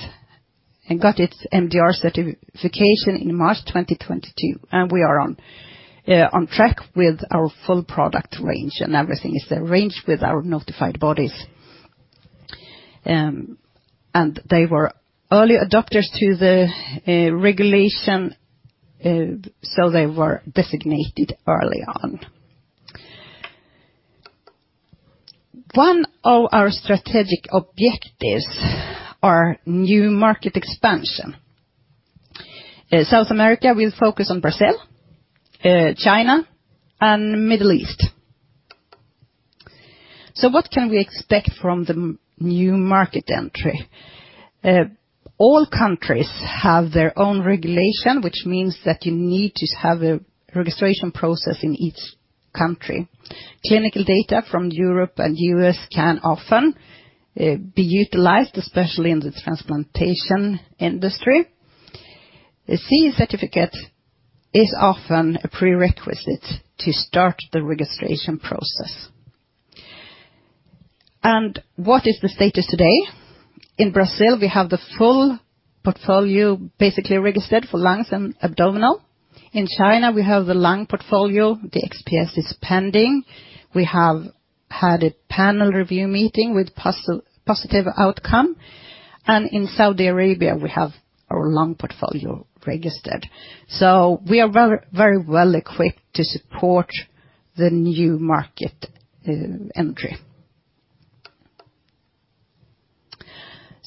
got its MDR certification in March 2022, and we are on track with our full product range, and everything is arranged with our notified bodies. They were early adopters to the regulation, so they were designated early on. One of our strategic objectives are new market expansion. South America will focus on Brazil, China, and Middle East. What can we expect from the new market entry? All countries have their own regulation, which means that you need to have a registration process in each country. Clinical data from Europe and U.S. can often be utilized, especially in the transplantation industry. The CE certificate is often a prerequisite to start the registration process. What is the status today? In Brazil, we have the full portfolio basically registered for lungs and abdominal. In China, we have the lung portfolio. The XPS is pending. We have had a panel review meeting with positive outcome. In Saudi Arabia, we have our lung portfolio registered. We are very, very well equipped to support the new market entry.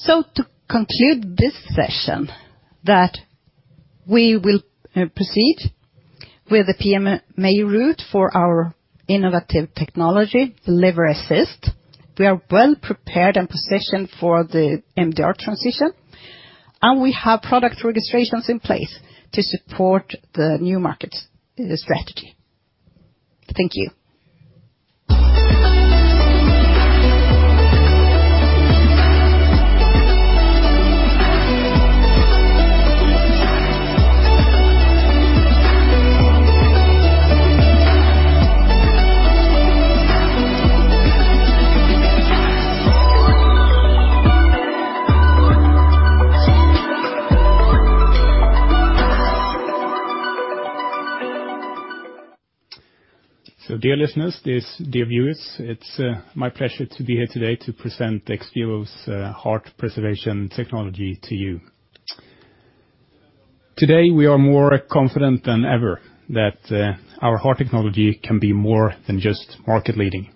To conclude this session, that we will proceed with the PMA route for our innovative technology, Liver Assist. We are well prepared and positioned for the MDR transition, and we have product registrations in place to support the new market strategy. Thank you. Dear listeners, dear viewers, it's my pleasure to be here today to present XVIVO's heart preservation technology to you. Today, we are more confident than ever that our heart technology can be more than just market-leading.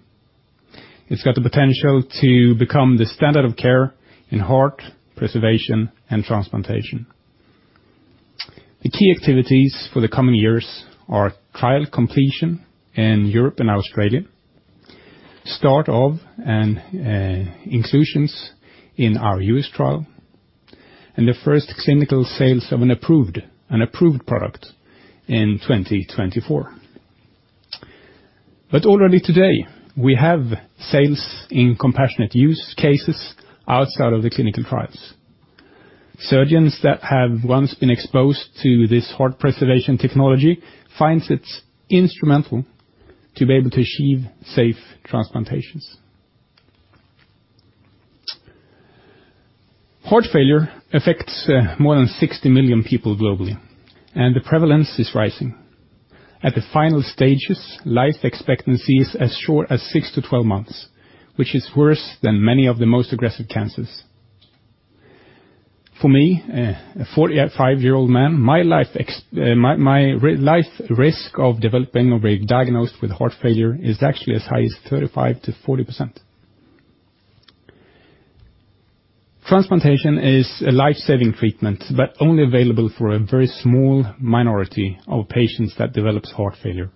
It's got the potential to become the standard of care in heart preservation and transplantation. The key activities for the coming years are trial completion in Europe and Australia, start of and inclusions in our U.S. trial, and the first clinical sales of an approved product in 2024. Already today, we have sales in compassionate use cases outside of the clinical trials. Surgeons that have once been exposed to this heart preservation technology finds it's instrumental to be able to achieve safe transplantations. Heart failure affects more than 60 million people globally, and the prevalence is rising. At the final stages, life expectancy is as short as six-12 months, which is worse than many of the most aggressive cancers. For me, a 45-year-old man, my lifetime risk of developing or being diagnosed with heart failure is actually as high as 35%-40%. Transplantation is a life-saving treatment, but only available for a very small minority of patients that develops heart failure.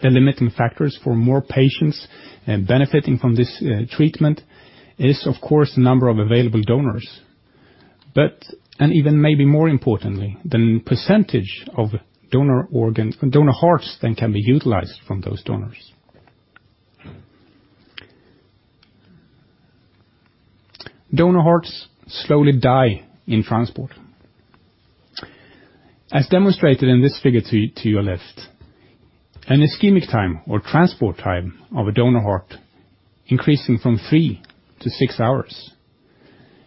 The limiting factors for more patients, and benefiting from this, treatment is of course, the number of available donors. Even maybe more importantly, the percentage of donor hearts that can be utilized from those donors. Donor hearts slowly die in transport. As demonstrated in this figure to your left, an ischemic time or transport time of a donor heart increasing from 3 to 6 hours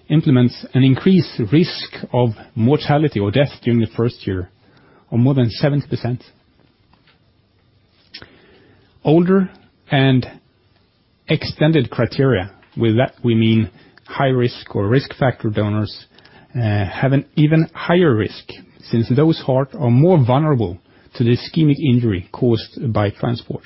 implies an increased risk of mortality or death during the first year of more than 70%. Older and extended criteria, with that we mean high risk or risk factor donors, have an even higher risk since those hearts are more vulnerable to the ischemic injury caused by transport.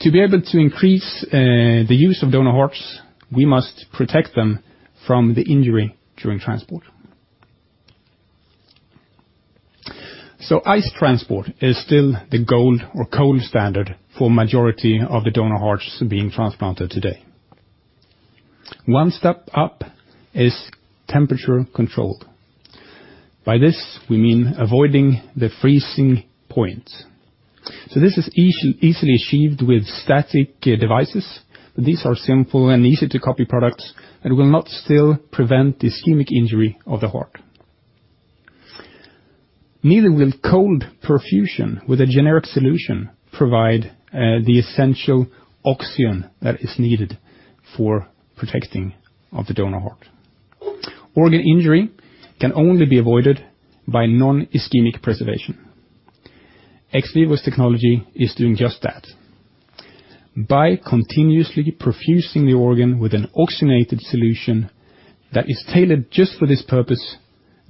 To be able to increase the use of donor hearts, we must protect them from the injury during transport. Ice transport is still the gold or cold standard for majority of the donor hearts being transplanted today. One step up is temperature control. By this, we mean avoiding the freezing point. This is easily achieved with static devices. These are simple and easy to copy products that will not still prevent ischemic injury of the heart. Neither will cold perfusion with a generic solution provide the essential oxygen that is needed for protecting of the donor heart. Organ injury can only be avoided by non-ischemic preservation. XVIVO's technology is doing just that. By continuously perfusing the organ with an oxygenated solution that is tailored just for this purpose,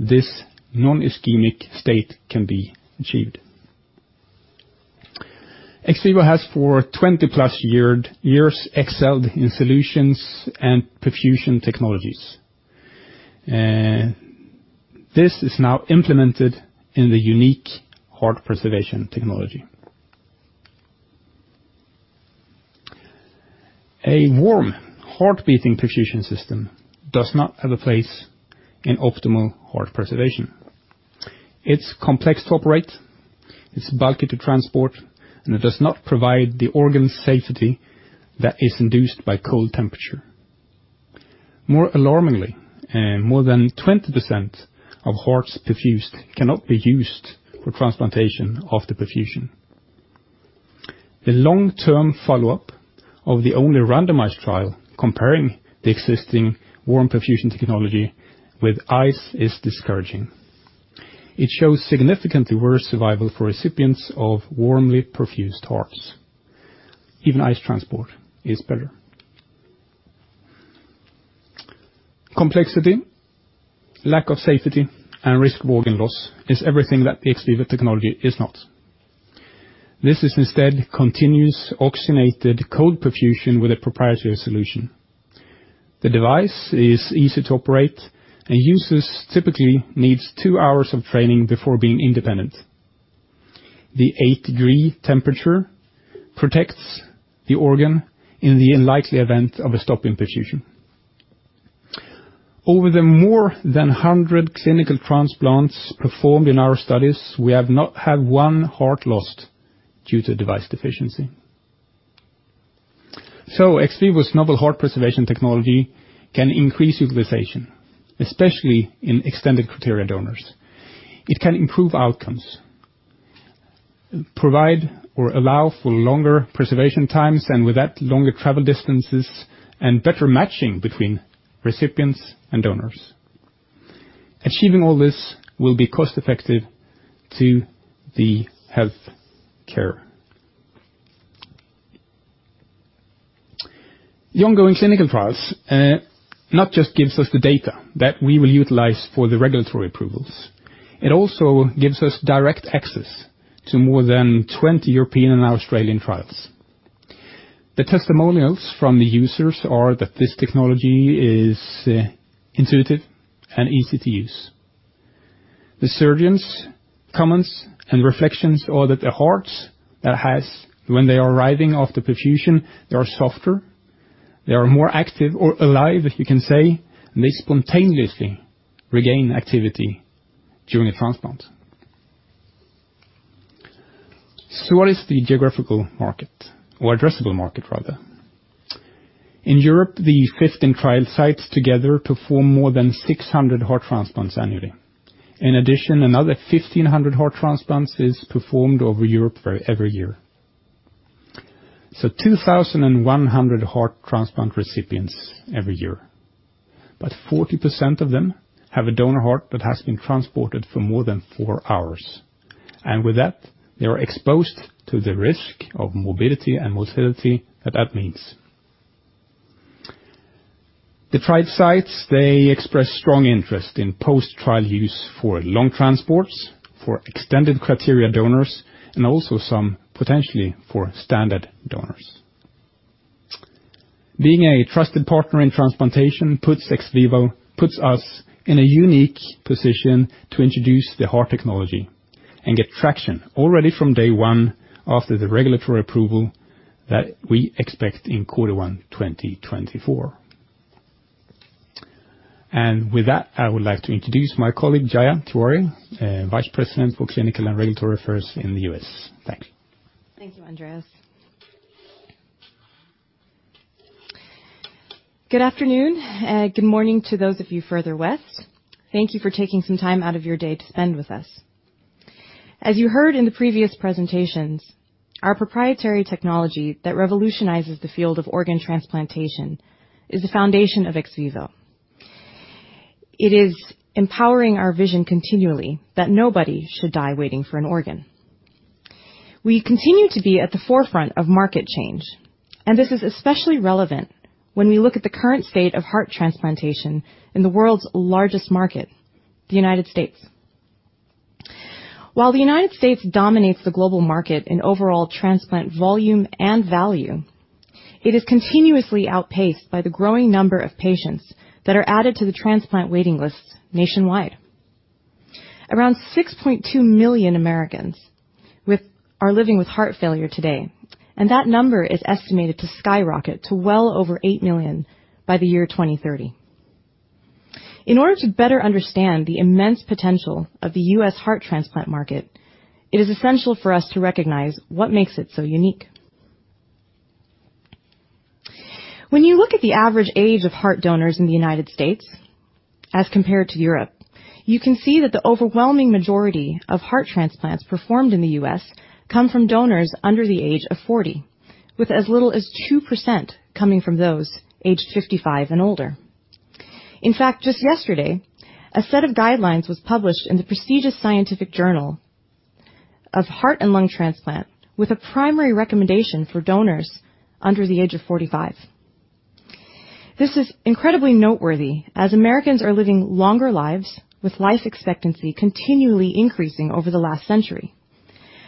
this non-ischemic state can be achieved. XVIVO has for 20+ years excelled in solutions and perfusion technologies. This is now implemented in the unique heart preservation technology. A warm, heart-beating perfusion system does not have a place in optimal heart preservation. It's complex to operate, it's bulky to transport, and it does not provide the organ safety that is induced by cold temperature. More alarmingly, more than 20% of hearts perfused cannot be used for transplantation after perfusion. The long-term follow-up of the only randomized trial comparing the existing warm perfusion technology with ice is discouraging. It shows significantly worse survival for recipients of warmly perfused hearts. Even ice transport is better. Complexity, lack of safety, and risk of organ loss is everything that the XVIVO technology is not. This is instead continuous oxygenated cold perfusion with a proprietary solution. The device is easy to operate, and users typically needs two hours of training before being independent. The 8-degree temperature protects the organ in the unlikely event of a stop in perfusion. Over the more than 100 clinical transplants performed in our studies, we have not had one heart lost due to device deficiency. XVIVO's novel heart preservation technology can increase utilization, especially in extended criteria donors. It can improve outcomes, provide or allow for longer preservation times, and with that, longer travel distances and better matching between recipients and donors. Achieving all this will be cost-effective to the healthcare. The ongoing clinical trials not just gives us the data that we will utilize for the regulatory approvals, it also gives us direct access to more than 20 European and Australian trials. The testimonials from the users are that this technology is intuitive and easy to use. The surgeons comments and reflections are that the hearts that has when they are arriving after perfusion, they are softer, they are more active or alive, if you can say, and they spontaneously regain activity during a transplant. What is the geographical market or addressable market rather? In Europe, the 15 trial sites together perform more than 600 heart transplants annually. In addition, another 1,500 heart transplants is performed over Europe for every year. 2,100 heart transplant recipients every year. 40% of them have a donor heart that has been transported for more than four hours, and with that, they are exposed to the risk of morbidity and mortality that that means. The trial sites, they express strong interest in post-trial use for long transports. For extended criteria donors and also some potentially for standard donors. Being a trusted partner in transplantation puts us in a unique position to introduce the heart technology and get traction already from day one after the regulatory approval that we expect in Q1 2024. With that, I would like to introduce my colleague, Jaya Tiwari, Vice President for Clinical and Regulatory Affairs in the U.S. Thank you. Thank you, Andreas. Good afternoon. Good morning to those of you further west. Thank you for taking some time out of your day to spend with us. As you heard in the previous presentations, our proprietary technology that revolutionizes the field of organ transplantation is the foundation of ex vivo. It is empowering our vision continually that nobody should die waiting for an organ. We continue to be at the forefront of market change, and this is especially relevant when we look at the current state of heart transplantation in the world's largest market, the United States. While the United States dominates the global market in overall transplant volume and value, it is continuously outpaced by the growing number of patients that are added to the transplant waiting lists nationwide. Around 6.2 million Americans are living with heart failure today, and that number is estimated to skyrocket to well over 8 million by the year 2030. In order to better understand the immense potential of the U.S. heart transplant market, it is essential for us to recognize what makes it so unique. When you look at the average age of heart donors in the United States as compared to Europe, you can see that the overwhelming majority of heart transplants performed in the U.S. come from donors under the age of 40, with as little as 2% coming from those aged 55 and older. In fact, just yesterday, a set of guidelines was published in the prestigious The Journal of Heart and Lung Transplantation with a primary recommendation for donors under the age of 45. This is incredibly noteworthy as Americans are living longer lives with life expectancy continually increasing over the last century.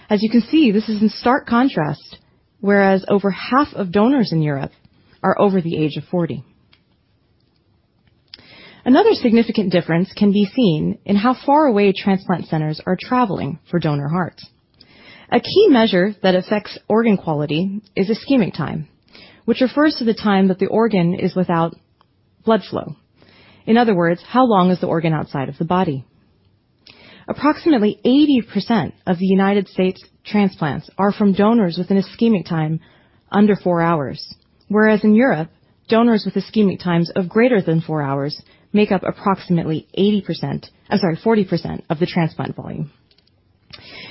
As you can see, this is in stark contrast, whereas over half of donors in Europe are over the age of 40. Another significant difference can be seen in how far away transplant centers are traveling for donor hearts. A key measure that affects organ quality is ischemic time, which refers to the time that the organ is without blood flow. In other words, how long is the organ outside of the body? Approximately 80% of the United States transplants are from donors with an ischemic time under 4 hours. Whereas in Europe, donors with ischemic times of greater than 4 hours make up approximately 80%. I'm sorry, 40% of the transplant volume.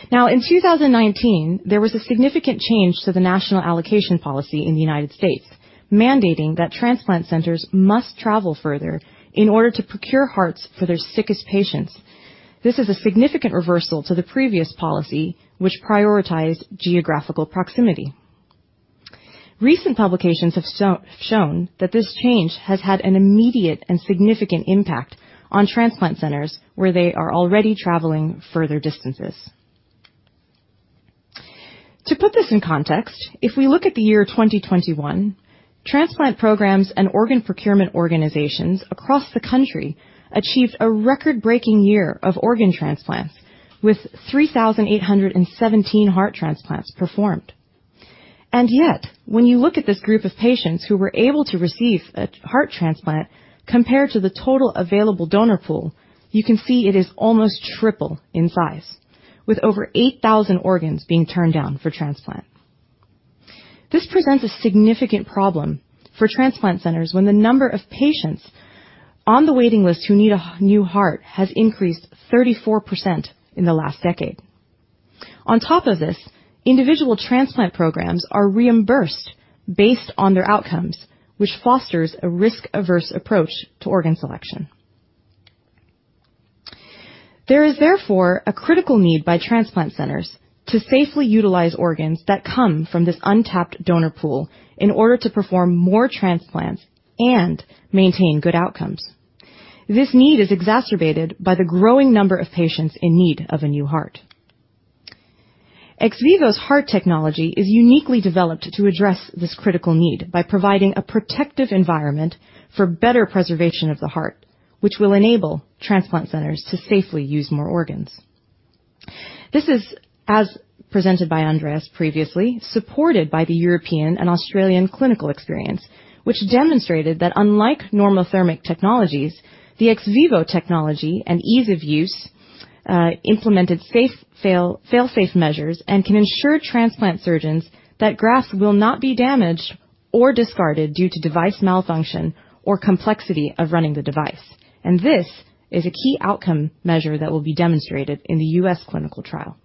Now, in 2019, there was a significant change to the national allocation policy in the United States, mandating that transplant centers must travel further in order to procure hearts for their sickest patients. This is a significant reversal to the previous policy, which prioritized geographical proximity. Recent publications have shown that this change has had an immediate and significant impact on transplant centers where they are already traveling further distances. To put this in context, if we look at the year 2021, transplant programs and organ procurement organizations across the country achieved a record-breaking year of organ transplants with 3,817 heart transplants performed. Yet, when you look at this group of patients who were able to receive a heart transplant compared to the total available donor pool, you can see it is almost triple in size, with over 8,000 organs being turned down for transplant. This presents a significant problem for transplant centers when the number of patients on the waiting list who need a new heart has increased 34% in the last decade. On top of this, individual transplant programs are reimbursed based on their outcomes, which fosters a risk-averse approach to organ selection. There is therefore a critical need by transplant centers to safely utilize organs that come from this untapped donor pool in order to perform more transplants and maintain good outcomes. This need is exacerbated by the growing number of patients in need of a new heart. XVIVO's heart technology is uniquely developed to address this critical need by providing a protective environment for better preservation of the heart, which will enable transplant centers to safely use more organs. This is, as presented by Andreas previously, supported by the European and Australian clinical experience, which demonstrated that unlike normothermic technologies, the ex vivo technology and ease of use implemented safe fail-safe measures and can ensure transplant surgeons that grafts will not be damaged or discarded due to device malfunction or complexity of running the device. This is a key outcome measure that will be demonstrated in the U.S. clinical trial.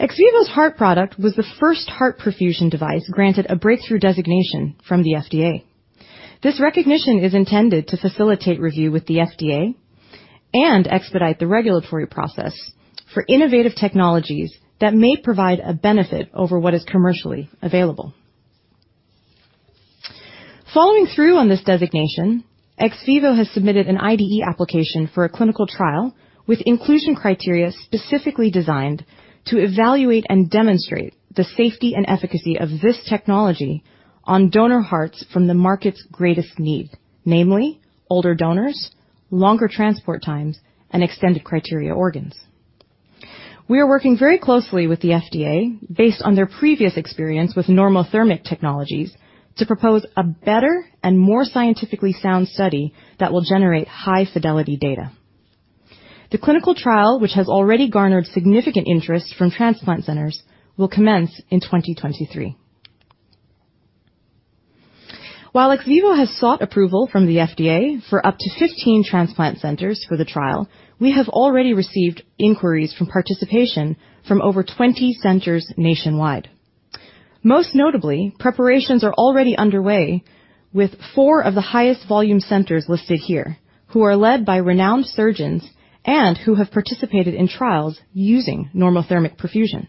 XVIVO's heart product was the first heart perfusion device granted a breakthrough designation from the FDA. This recognition is intended to facilitate review with the FDA and expedite the regulatory process for innovative technologies that may provide a benefit over what is commercially available. Following through on this designation, XVIVO has submitted an IDE application for a clinical trial with inclusion criteria specifically designed to evaluate and demonstrate the safety and efficacy of this technology on donor hearts from the market's greatest need, namely older donors, longer transport times, and extended criteria organs. We are working very closely with the FDA based on their previous experience with normothermic technologies to propose a better and more scientifically sound study that will generate high-fidelity data. The clinical trial, which has already garnered significant interest from transplant centers, will commence in 2023. While XVIVO has sought approval from the FDA for up to 15 transplant centers for the trial, we have already received inquiries for participation from over 20 centers nationwide. Most notably, preparations are already underway with 4 of the highest volume centers listed here, who are led by renowned surgeons and who have participated in trials using normothermic perfusion.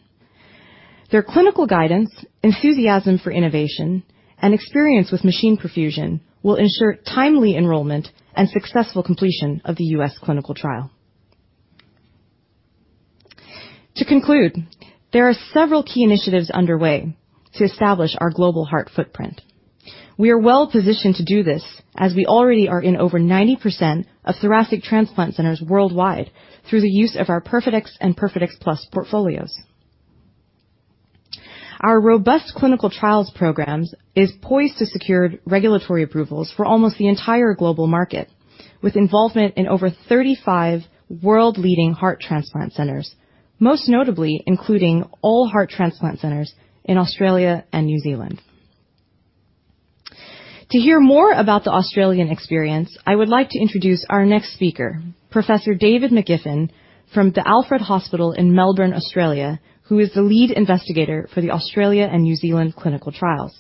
Their clinical guidance, enthusiasm for innovation, and experience with machine perfusion will ensure timely enrollment and successful completion of the U.S. Clinical trial. To conclude, there are several key initiatives underway to establish our global heart footprint. We are well-positioned to do this as we already are in over 90% of thoracic transplant centers worldwide through the use of our PERFADEX and PERFADEX Plus portfolios. Our robust clinical trials programs is poised to secure regulatory approvals for almost the entire global market, with involvement in over 35 world-leading heart transplant centers, most notably including all heart transplant centers in Australia and New Zealand. To hear more about the Australian experience, I would like to introduce our next speaker, Professor David McGiffin from the Alfred Hospital in Melbourne, Australia, who is the lead investigator for the Australia and New Zealand clinical trials.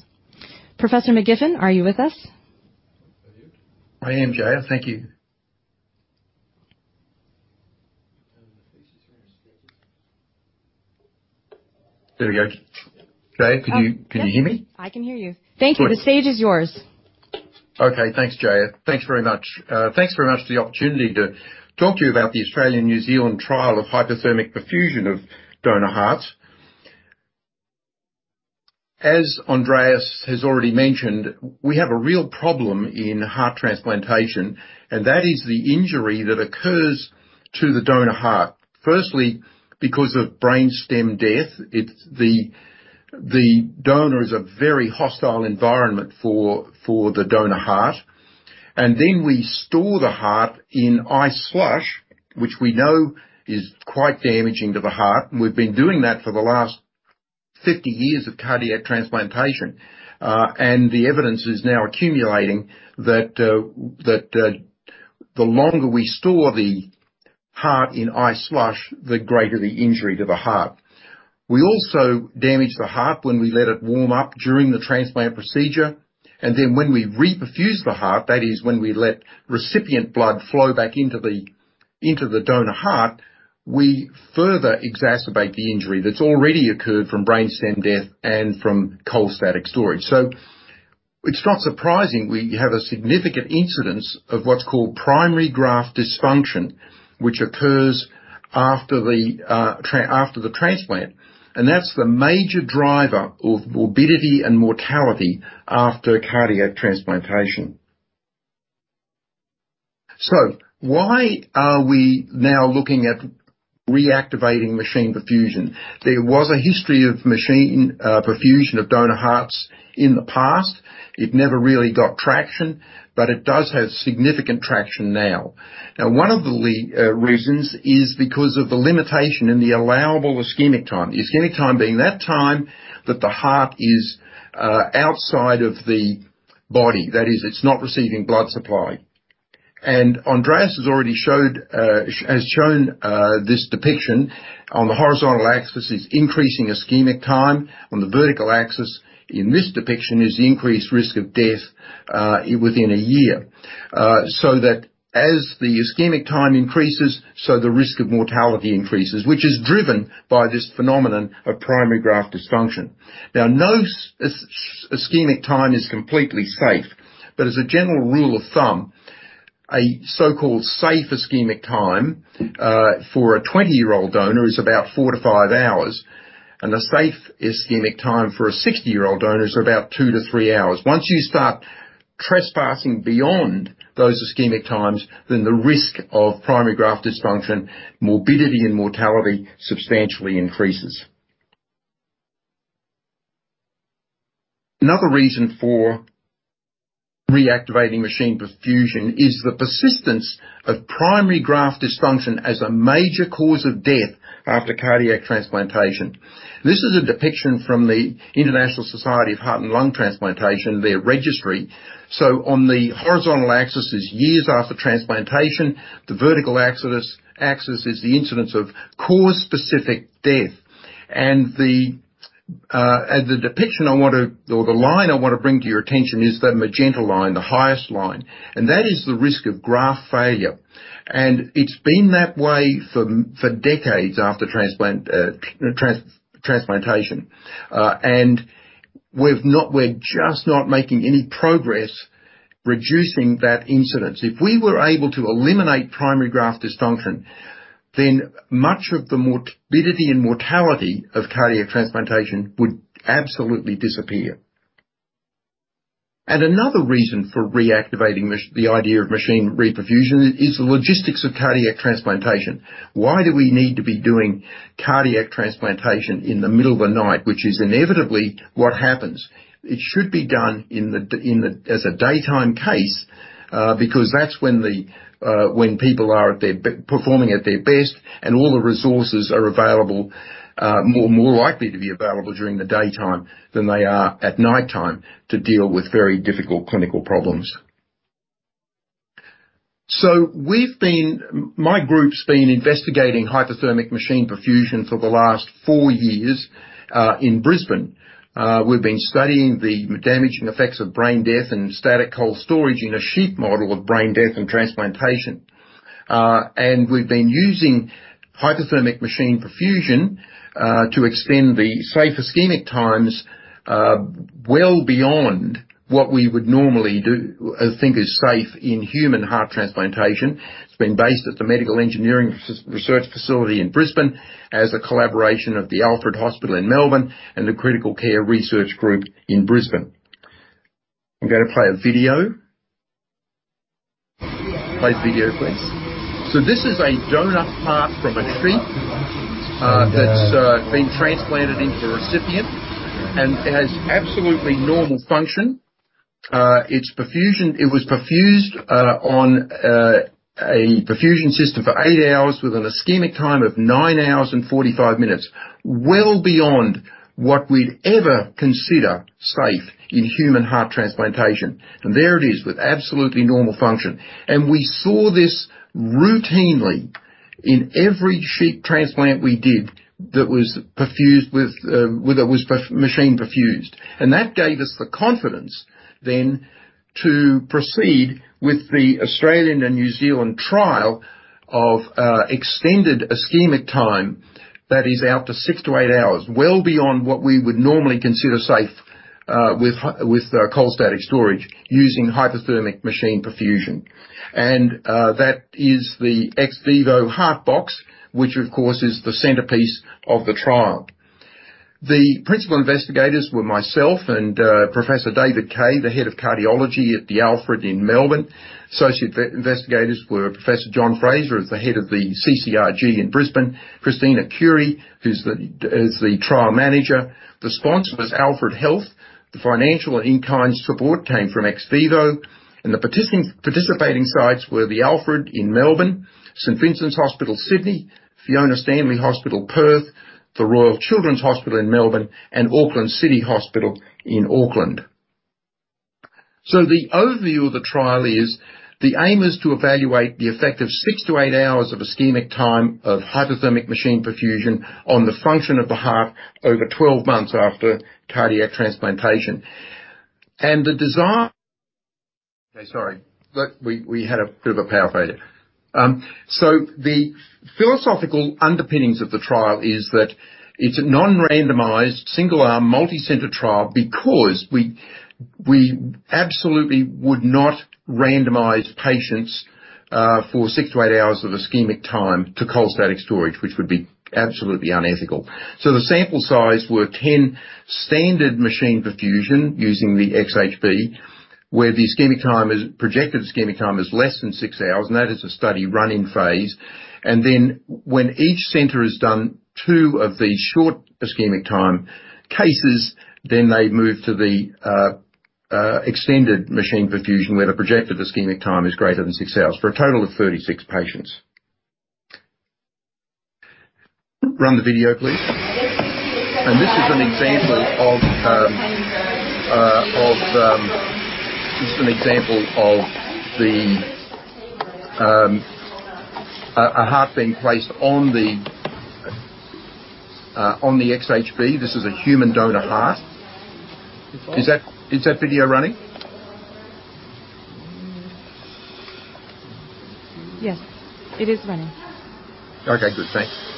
Professor McGiffin, are you with us? I am Jaya. Thank you. There we go. Jaya, can you hear me? I can hear you. Thank you. The stage is yours. Okay. Thanks, Jaya. Thanks very much. Thanks very much for the opportunity to talk to you about the Australian, New Zealand trial of hypothermic perfusion of donor hearts. As Andreas has already mentioned, we have a real problem in heart transplantation, and that is the injury that occurs to the donor heart. Firstly, because of brainstem death. It's the donor is a very hostile environment for the donor heart. Then we store the heart in ice slush, which we know is quite damaging to the heart. We've been doing that for the last 50 years of cardiac transplantation. The evidence is now accumulating that the longer we store the heart in ice slush, the greater the injury to the heart. We also damage the heart when we let it warm up during the transplant procedure. Then when we reperfuse the heart, that is when we let recipient blood flow back into the, into the donor heart, we further exacerbate the injury that's already occurred from brain stem death and from cold static storage. It's not surprising we have a significant incidence of what's called primary graft dysfunction, which occurs after the transplant. That's the major driver of morbidity and mortality after cardiac transplantation. Why are we now looking at reactivating machine perfusion? There was a history of machine perfusion of donor hearts in the past. It never really got traction, but it does have significant traction now. Now, one of the reasons is because of the limitation in the allowable ischemic time. The ischemic time being that time that the heart is outside of the body, that is, it's not receiving blood supply. Andreas has already shown this depiction. On the horizontal axis is increasing ischemic time. On the vertical axis in this depiction is the increased risk of death within a year. As the ischemic time increases, the risk of mortality increases, which is driven by this phenomenon of primary graft dysfunction. Now, no ischemic time is completely safe. As a general rule of thumb, a so-called safe ischemic time for a 20-year-old donor is about four-five hours, and a safe ischemic time for a 60-year-old donor is about two-three hours. Once you start trespassing beyond those ischemic times, then the risk of primary graft dysfunction, morbidity, and mortality substantially increases. Another reason for reactivating machine perfusion is the persistence of primary graft dysfunction as a major cause of death after cardiac transplantation. This is a depiction from the International Society for Heart and Lung Transplantation, their registry. On the horizontal axis is years after transplantation. The vertical axis is the incidence of cause-specific death. The depiction I want to or the line I want to bring to your attention is the magenta line, the highest line, and that is the risk of graft failure. It's been that way for decades after transplantation. We're just not making any progress reducing that incidence. If we were able to eliminate primary graft dysfunction, then much of the morbidity and mortality of cardiac transplantation would absolutely disappear. Another reason for reactivating the idea of machine perfusion is the logistics of cardiac transplantation. Why do we need to be doing cardiac transplantation in the middle of the night, which is inevitably what happens? It should be done as a daytime case, because that's when people are performing at their best, and all the resources are available, more likely to be available during the daytime than they are at nighttime to deal with very difficult clinical problems. My group's been investigating hypothermic machine perfusion for the last four years in Brisbane. We've been studying the damaging effects of brain death and static cold storage in a sheep model of brain death and transplantation. We've been using hypothermic machine perfusion to extend the safe ischemic times well beyond what we would normally think is safe in human heart transplantation. It's been based at the Medical Engineering Research Facility in Brisbane as a collaboration of the Alfred Hospital in Melbourne and the Critical Care Research Group in Brisbane. I'm gonna play a video. Play the video, please. So this is a donor heart from a sheep, that's been transplanted into a recipient and has absolutely normal function. It was perfused on a perfusion system for eight hours with an ischemic time of nine hours and 45 minutes, well beyond what we'd ever consider safe in human heart transplantation. There it is with absolutely normal function. We saw this routinely in every sheep transplant we did that was machine perfused. That gave us the confidence then to proceed with the Australian and New Zealand trial of extended ischemic time that is out to six-eight hours, well beyond what we would normally consider safe with cold static storage using hypothermic machine perfusion. That is the XVIVO heart box, which of course is the centerpiece of the trial. The principal investigators were myself and Professor David Kaye, the head of cardiology at the Alfred in Melbourne. Associate investigators were Professor John Fraser as the head of the CCRG in Brisbane. Christina Kure, who is the trial manager. The sponsor was Alfred Health. The financial and in-kind support came from XVIVO, and the participating sites were the Alfred in Melbourne, St. Vincent's Hospital Sydney, Fiona Stanley Hospital, Perth, The Royal Children's Hospital in Melbourne, and Auckland City Hospital in Auckland. The overview of the trial is, the aim is to evaluate the effect of 6-8 hours of ischemic time of hypothermic machine perfusion on the function of the heart over 12 months after cardiac transplantation. We had a bit of a power failure. The philosophical underpinnings of the trial is that it's a non-randomized, single-arm, multi-center trial because we absolutely would not randomize patients for six-eight hours of ischemic time to cold static storage, which would be absolutely unethical. The sample size were 10 standard machine perfusion using the XHB, where the projected ischemic time is less than six hours, and that is the study running phase. When each center has done 2 of these short ischemic time cases, they move to the extended machine perfusion where the projected ischemic time is greater than 6 hours for a total of 36 patients. Run the video, please. This is an example of a heart being placed on the XHB. This is a human donor heart. Is that video running? Yes, it is running. Okay, good. Thanks.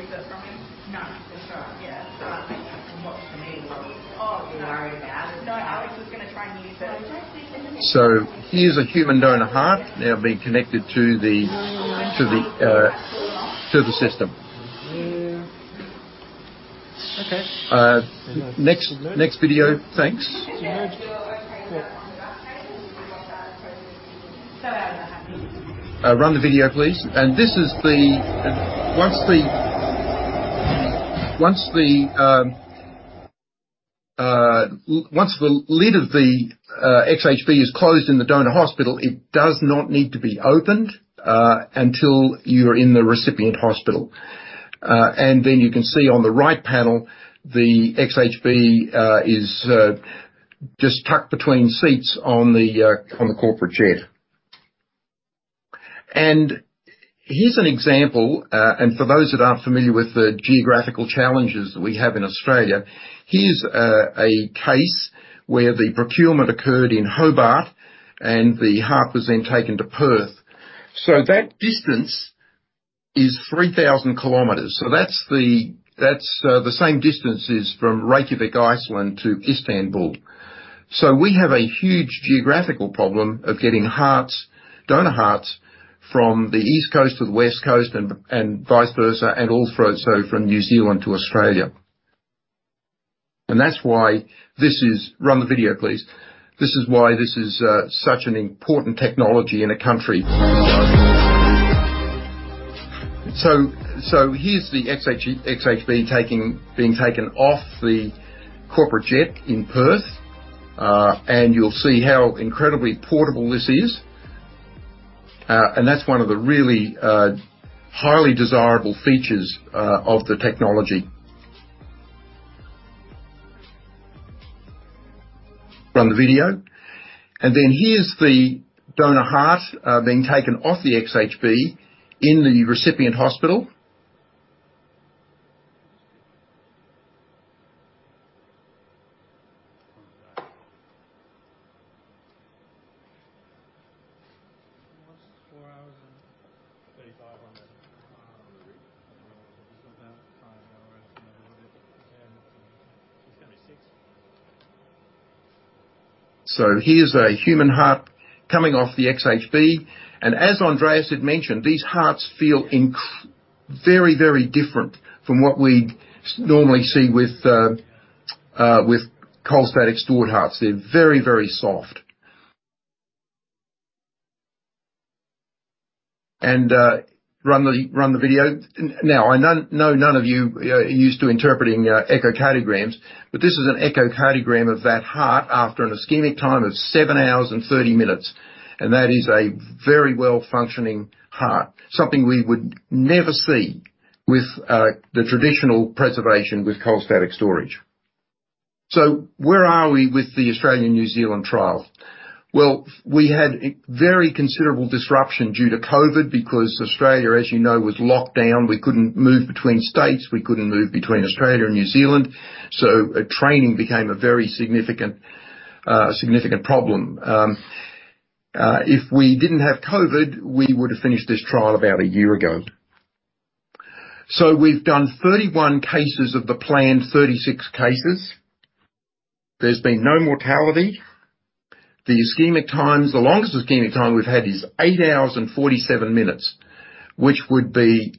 He's still using the trolley, so I can't move it from him. No. For sure. Yeah. I think that's much for me. Oh, no. Alex was gonna try and use it. Here's a human donor heart now being connected to the system. Okay. Next video. Thanks. Okay. Run the video, please. Once the lid of the XHB is closed in the donor hospital, it does not need to be opened until you're in the recipient hospital. Then you can see on the right panel the XHB is just tucked between seats on the corporate jet. Here's an example. For those that aren't familiar with the geographical challenges we have in Australia, here's a case where the procurement occurred in Hobart, and the heart was then taken to Perth. That distance is 3,000 kilometers. That's the same distance as from Reykjavik, Iceland, to Istanbul. We have a huge geographical problem of getting hearts, donor hearts from the East Coast to the West Coast and vice versa, and also from New Zealand to Australia. That's why this is. Run the video, please. This is why this is such an important technology in a country. Here's the XHB being taken off the corporate jet in Perth. You'll see how incredibly portable this is. That's one of the really highly desirable features of the technology. Run the video. Then here's the donor heart being taken off the XHB in the recipient hospital. 4 hours and 35. About 5 hours. Yeah. Here's a human heart coming off the XHB. As Andreas had mentioned, these hearts feel very, very different from what we normally see with cold static stored hearts. They're very, very soft. Run the video. Now, I know none of you are used to interpreting echocardiograms, but this is an echocardiogram of that heart after an ischemic time of 7 hours and 30 minutes. That is a very well-functioning heart, something we would never see with the traditional preservation with cold static storage. Where are we with the Australian-New Zealand trial? Well, we had very considerable disruption due to COVID because Australia, as, was locked down. We couldn't move between states. We couldn't move between Australia and New Zealand. Training became a very significant problem. If we didn't have COVID, we would have finished this trial about a year ago. We've done 31 cases of the planned 36 cases. There's been no mortality. The ischemic times, the longest ischemic time we've had is 8 hours and 47 minutes, which would be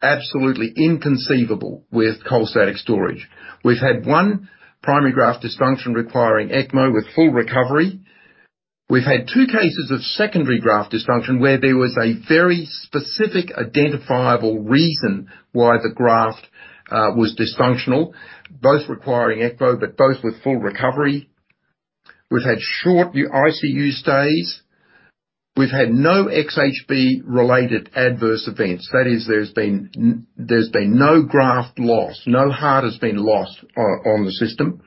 absolutely inconceivable with cold static storage. We've had one primary graft dysfunction requiring ECMO with full recovery. We've had two cases of secondary graft dysfunction where there was a very specific identifiable reason why the graft was dysfunctional, both requiring ECMO but both with full recovery. We've had short ICU stays. We've had no XHB-related adverse events. That is, there's been no graft loss. No heart has been lost on the system.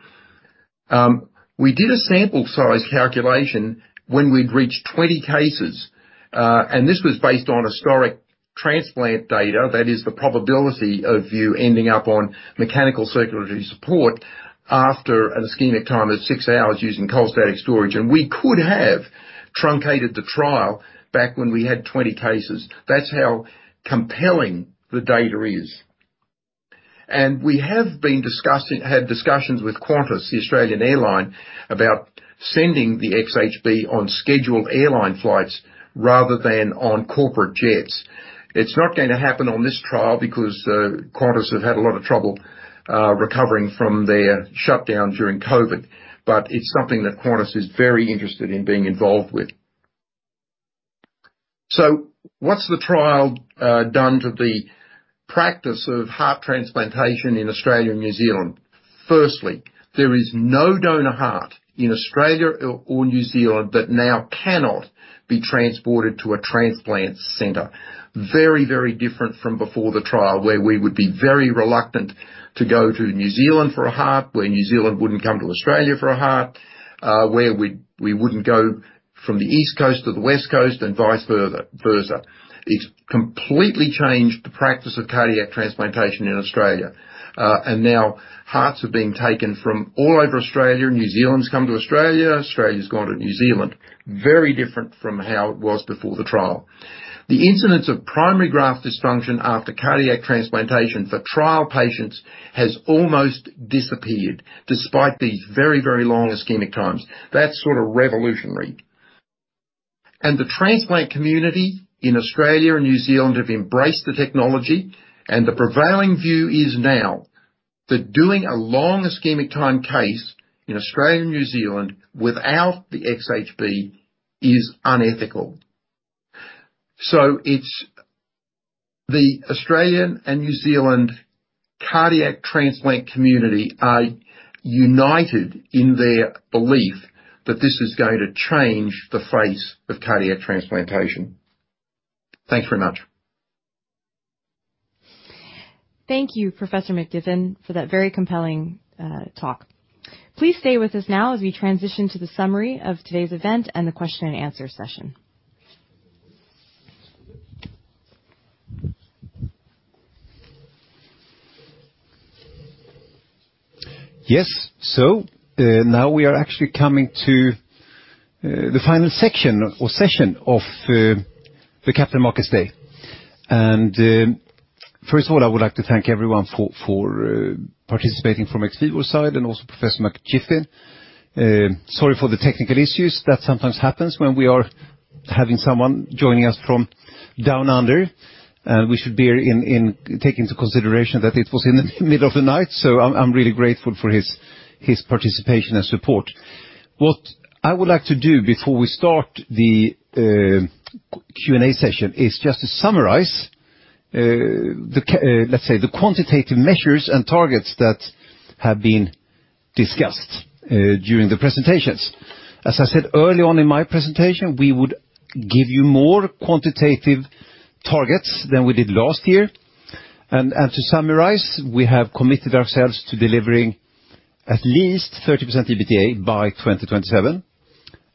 We did a sample size calculation when we'd reached 20 cases, and this was based on historic transplant data. That is, the probability of you ending up on mechanical circulatory support after an ischemic time of six hours using cold static storage. We could have truncated the trial back when we had 20 cases. That's how compelling the data is. We have had discussions with Qantas, the Australian airline, about sending the XHB on scheduled airline flights rather than on corporate jets. It's not going to happen on this trial because Qantas have had a lot of trouble recovering from their shutdown during COVID. It's something that Qantas is very interested in being involved with. What's the trial done to the practice of heart transplantation in Australia and New Zealand? Firstly, there is no donor heart in Australia or New Zealand that now cannot be transported to a transplant center. Very, very different from before the trial, where we would be very reluctant to go to New Zealand for a heart, where New Zealand wouldn't come to Australia for a heart, where we wouldn't go from the East Coast to the West Coast and vice versa. It's completely changed the practice of cardiac transplantation in Australia. Now hearts are being taken from all over Australia. New Zealand's come to Australia. Australia's gone to New Zealand. Very different from how it was before the trial. The incidence of primary graft dysfunction after cardiac transplantation for trial patients has almost disappeared, despite these very, very long ischemic times. That's sort of revolutionary. The transplant community in Australia and New Zealand have embraced the technology. The prevailing view is now that doing a long ischemic time case in Australia and New Zealand without the XHB is unethical. It's the Australian and New Zealand cardiac transplant community are united in their belief that this is going to change the face of cardiac transplantation. Thanks very much. Thank you, Professor McGiffin, for that very compelling, talk. Please stay with us now as we transition to the summary of today's event and the question and answer session. Yes, now we are actually coming to the final section or session of the Capital Markets Day. First of all, I would like to thank everyone for participating from XVIVO side and also Professor McGiffin. Sorry for the technical issues. That sometimes happens when we are having someone joining us from down under. We should take into consideration that it was in the middle of the night, so I'm really grateful for his participation and support. What I would like to do before we start the Q&A session is just to summarize the quantitative measures and targets that have been discussed during the presentations. As I said early on in my presentation, we would give you more quantitative targets than we did last year. To summarize, we have committed ourselves to delivering at least 30% EBITDA by 2027,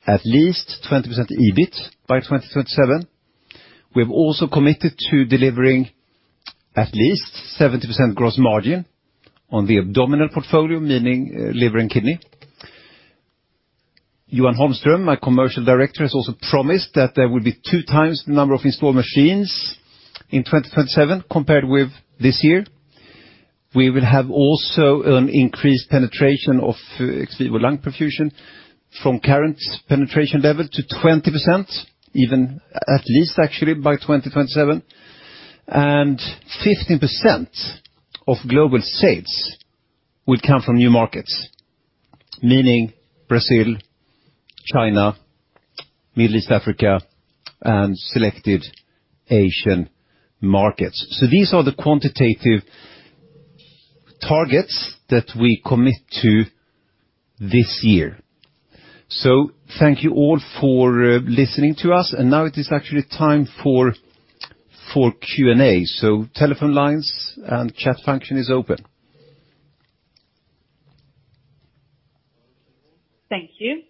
at least 20% EBIT by 2027. We have also committed to delivering at least 70% gross margin on the abdominal portfolio, meaning, liver and kidney. Johan Holmström, my commercial director, has also promised that there will be two times the number of installed machines in 2027 compared with this year. We will have also an increased penetration of XVIVO lung perfusion from current penetration level to 20%, even at least actually by 2027. 15% of global sales will come from new markets, meaning Brazil, China, Middle East Africa, and selected Asian markets. These are the quantitative targets that we commit to this year. Thank you all for listening to us, and now it is actually time for Q&A. Telephone lines and chat function is open. Thank you.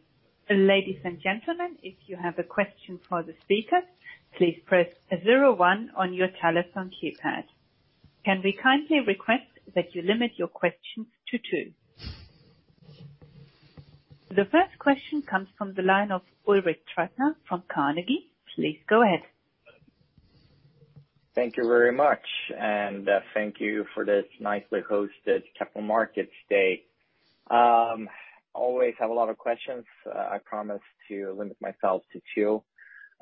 Ladies and gentlemen, if you have a question for the speakers, please press zero one on your telephone keypad. Can we kindly request that you limit your questions to two? The first question comes from the line of Ulrik Trattner from Carnegie. Please go ahead. Thank you very much, and thank you for this nicely hosted Capital Markets Day. Always have a lot of questions. I promise to limit myself to two.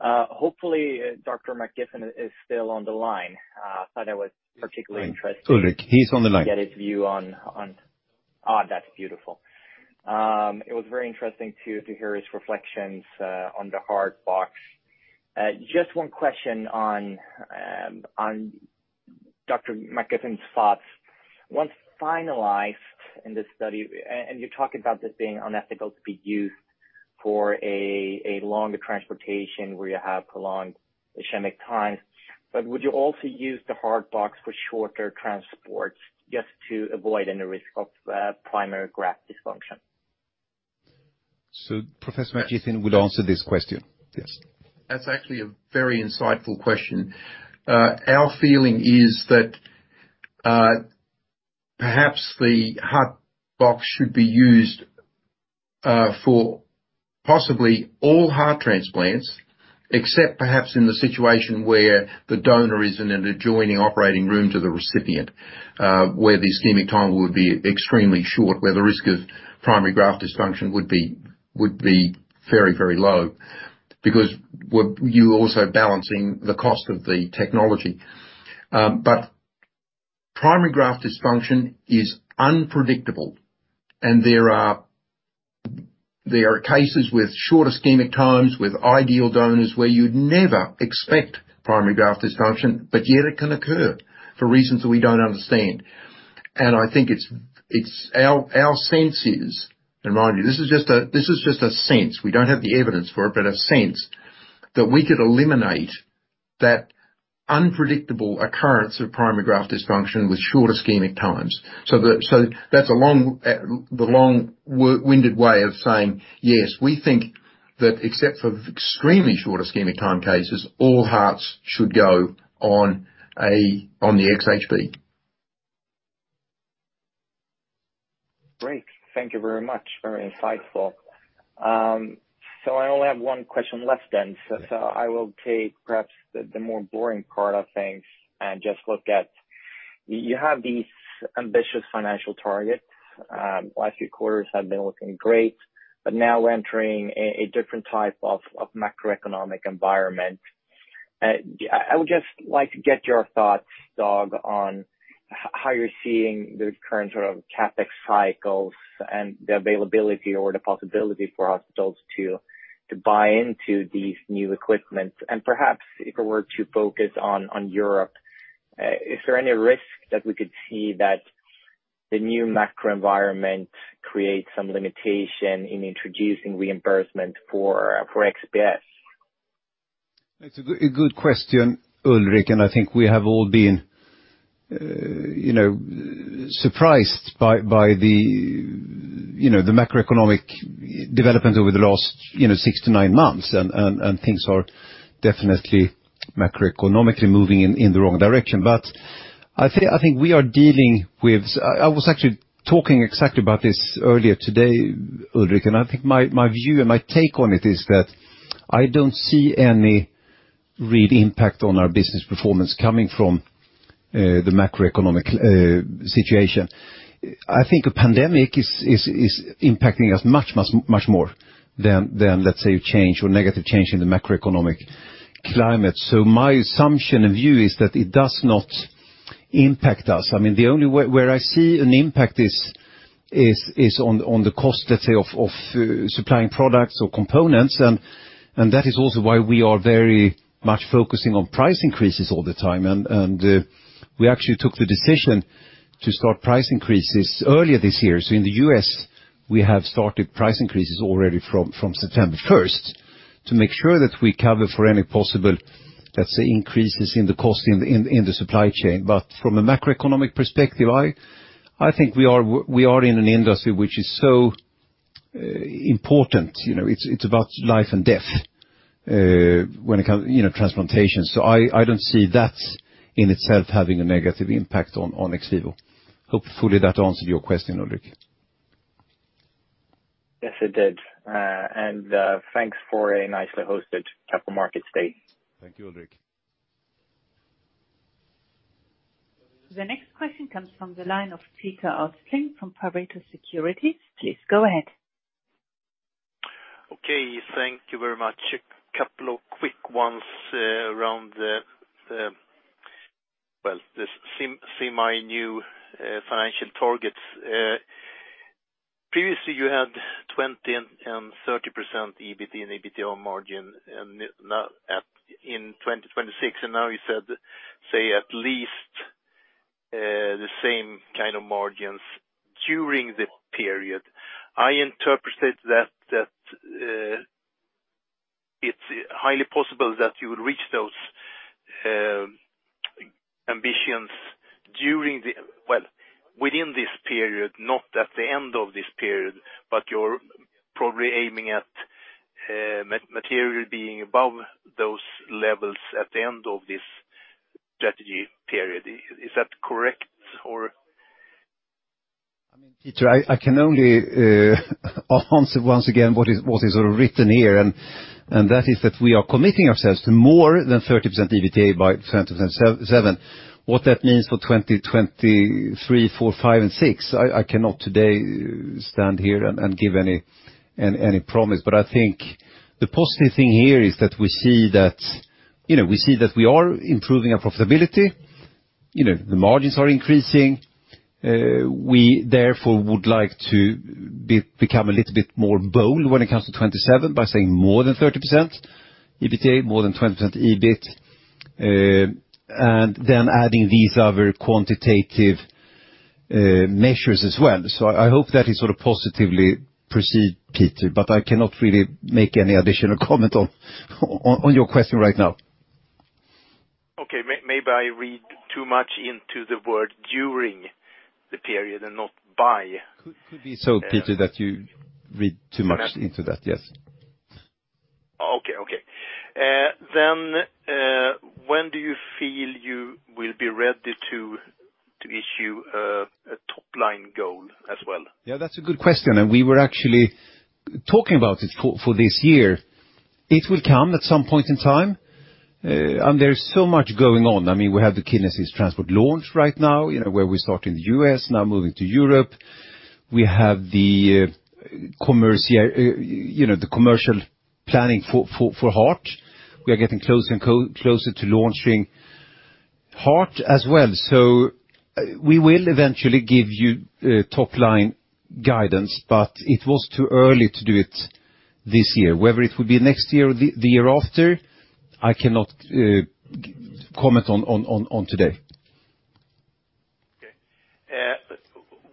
Hopefully, Dr. McGiffin is still on the line. I thought I was particularly interested- Ulrik, he's on the line. Oh, that's beautiful. It was very interesting to hear his reflections on the HeartBox. Just one question on Dr. McGiffin's thoughts. Once finalized in this study, and you're talking about this being unethical to be used for a longer transportation where you have prolonged ischemic times. Would you also use the HeartBox for shorter transports just to avoid any risk of primary graft dysfunction? Professor McGiffin will answer this question. Yes. That's actually a very insightful question. Our feeling is that perhaps the HeartBox should be used for possibly all heart transplants, except perhaps in the situation where the donor is in an adjoining operating room to the recipient, where the ischemic time would be extremely short, where the risk of primary graft dysfunction would be very, very low. Because we're—you're also balancing the cost of the technology. But primary graft dysfunction is unpredictable, and there are cases with short ischemic times, with ideal donors, where you'd never expect primary graft dysfunction, but yet it can occur for reasons that we don't understand. I think it's our sense is, and mind you, this is just a sense. We don't have the evidence for it, but a sense that we could eliminate that unpredictable occurrence of primary graft dysfunction with short ischemic times. That's a long-winded way of saying, yes, we think that except for extremely short ischemic time cases, all hearts should go on the XHB. Great. Thank you very much. Very insightful. I only have one question left then. I will take perhaps the more boring part of things and just look at. You have these ambitious financial targets. Last few quarters have been looking great, but now we're entering a different type of macroeconomic environment. I would just like to get your thoughts, Dag, on how you're seeing the current sort of CapEx cycles and the availability or the possibility for hospitals to buy into these new equipment. Perhaps if it were to focus on Europe, is there any risk that we could see that the new macro environment creates some limitation in introducing reimbursement for XPS? It's a good question, Ulrik, and I think we have all been surprised by the macroeconomic development over the last six to nine months and things are definitely macroeconomically moving in the wrong direction. I think we are dealing with. I was actually talking exactly about this earlier today, Ulrik, and I think my view and my take on it is that I don't see any real impact on our business performance coming from the macroeconomic situation. I think a pandemic is impacting us much more than, let's say, a change or negative change in the macroeconomic climate. My assumption and view is that it does not impact us. I mean, the only where I see an impact is on the cost, let's say, of supplying products or components. We actually took the decision to start price increases earlier this year. In the U.S., we have started price increases already from September first to make sure that we cover for any possible, let's say, increases in the cost in the supply chain. From a macroeconomic perspective, I think we are in an industry which is so important,. It's about life and death when it comes,, transplantation. I don't see that in itself having a negative impact on XVIVO. Hopefully, that answered your question, Ulrik. Yes, it did. Thanks for a nicely hosted Capital Markets Day. Thank you, Ulrik. The next question comes from the line of Peter Östling from Pareto Securities. Please go ahead. Okay. Thank you very much. A couple of quick ones around the well, the semi-new financial targets. Previously you had 20% and 30% EBIT and EBIT margin, now in 2026, and now you said at least the same kind of margins during the period. I interpreted that it's highly possible that you will reach those ambitions during well, within this period, not at the end of this period, but you're probably aiming at material being above those levels at the end of this strategy period. Is that correct? I mean, Peter, I can only answer once again what is written here, and that is that we are committing ourselves to more than 30% EBIT by 2027. What that means for 2023, 2024, 2025, and 2026, I cannot today stand here and give any promise. I think the positive thing here is that we see that,, we see that we are improving our profitability., the margins are increasing. We therefore would like to become a little bit more bold when it comes to 2027 by saying more than 30% EBIT, more than 20% EBIT, and then adding these other quantitative measures as well. I hope that is sort of positively perceived, Peter, but I cannot really make any additional comment on your question right now. Okay. Maybe I read too much into the word during the period and not by. Could be so, Peter, that you read too much into that. Yes. Okay. When do you feel you will be ready to issue a top-line goal as well? Yeah, that's a good question. We were actually talking about it for this year. It will come at some point in time. There is so much going on. I mean, we have the Kidney Assist Transport launch right now,, where we start in the U.S., now moving to Europe. We have the commercial planning for heart. We are getting closer to launching heart as well. We will eventually give you top-line guidance, but it was too early to do it this year. Whether it would be next year or the year after, I cannot comment on today. Okay.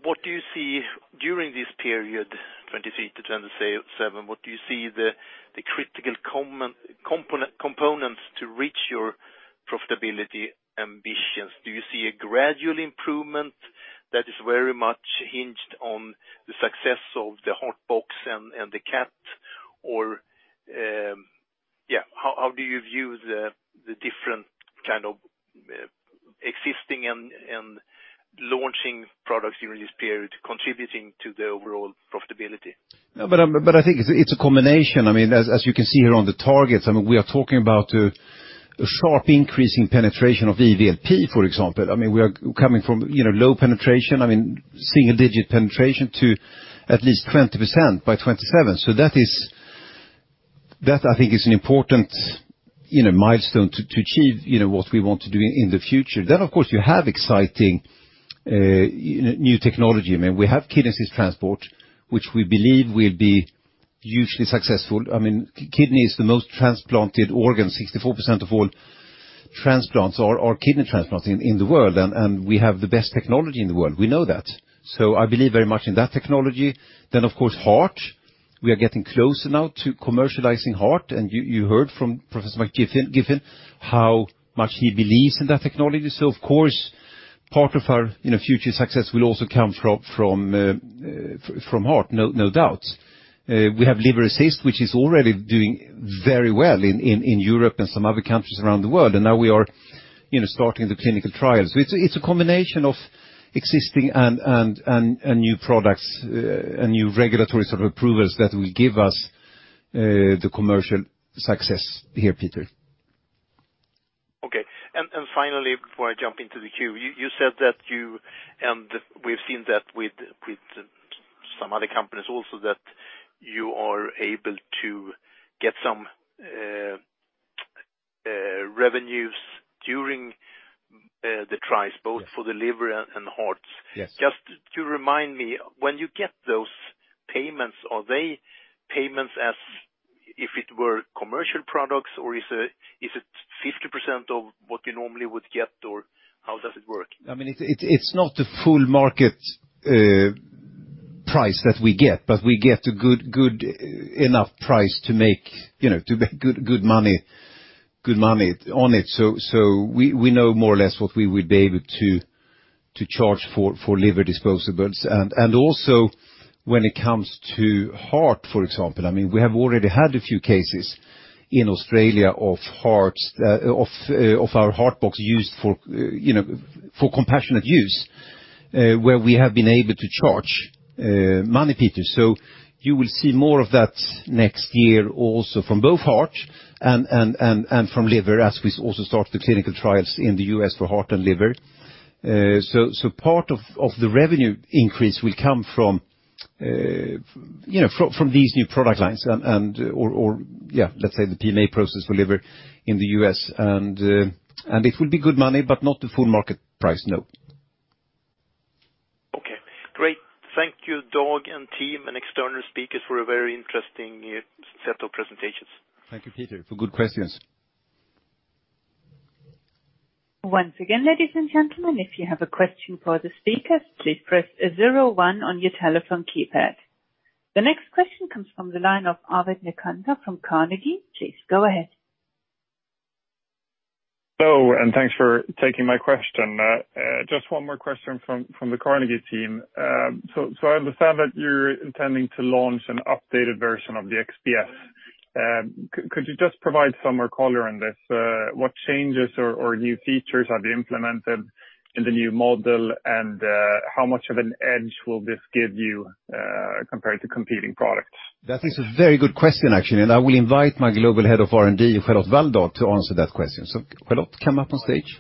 What do you see during this period, 2023-2027, the critical components to reach your profitability ambitions? Do you see a gradual improvement that is very much hinged on the success of the Heart Box and the XPS? How do you view the different kind of existing and launching products during this period contributing to the overall profitability? No, I think it's a combination. I mean, as you can see here on the targets, I mean, we are talking about a sharp increase in penetration of EVLP, for example. I mean, we are coming from,, low penetration, I mean, single-digit penetration to at least 20% by 2027. That is. That I think is an important,, milestone to achieve,, what we want to do in the future. Of course, you have exciting new technology. I mean, we have Kidney Assist Transport, which we believe will be hugely successful. I mean, kidney is the most transplanted organ. 64% of all transplants are kidney transplants in the world, and we have the best technology in the world. We know that. I believe very much in that technology. Of course, heart. We are getting closer now to commercializing heart. You heard from Professor McGiffin how much he believes in that technology. Of course, part of our,, future success will also come from heart, no doubt. We have Liver Assist, which is already doing very well in Europe and some other countries around the world. Now we are,, starting the clinical trials. It's a combination of existing and new products and new regulatory sort of approvals that will give us the commercial success here, Peter. Okay. Finally, before I jump into the queue, you said that you and we've seen that with some other companies also that you are able to get some revenues during the trials. Yes. Both for the liver and hearts. Yes. Just to remind me, when you get those payments, are they payments as if it were commercial products or is it 50% of what you normally would get, or how does it work? I mean, it's not a full market price that we get, but we get a good enough price to make,, good money on it. We know more or less what we would be able to charge for liver disposables. Also when it comes to heart, for example, I mean, we have already had a few cases in Australia of hearts of our Heart Box used for,, compassionate use, where we have been able to charge money, Peter. You will see more of that next year also from both heart and from liver, as we also start the clinical trials in the U.S. for heart and liver. Part of the revenue increase will come from,, these new product lines and or. Let's say the PMA process for liver in the U.S. and it will be good money, but not the full market price, no. Okay, great. Thank you, Dag and team and external speakers for a very interesting set of presentations. Thank you, Peter, for good questions. Once again, ladies and gentlemen, if you have a question for the speakers, please press zero one on your telephone keypad. The next question comes from the line of Arvid Necander from Carnegie. Please go ahead. Hello, and thanks for taking my question. Just one more question from the Carnegie team. I understand that you're intending to launch an updated version of the XPS. Could you just provide some more color on this? What changes or new features have you implemented in the new model and how much of an edge will this give you compared to competing products? That is a very good question, actually, and I will invite my Global Head of R&D, Charlotte Walldal, to answer that question. Charlotte, come up on stage.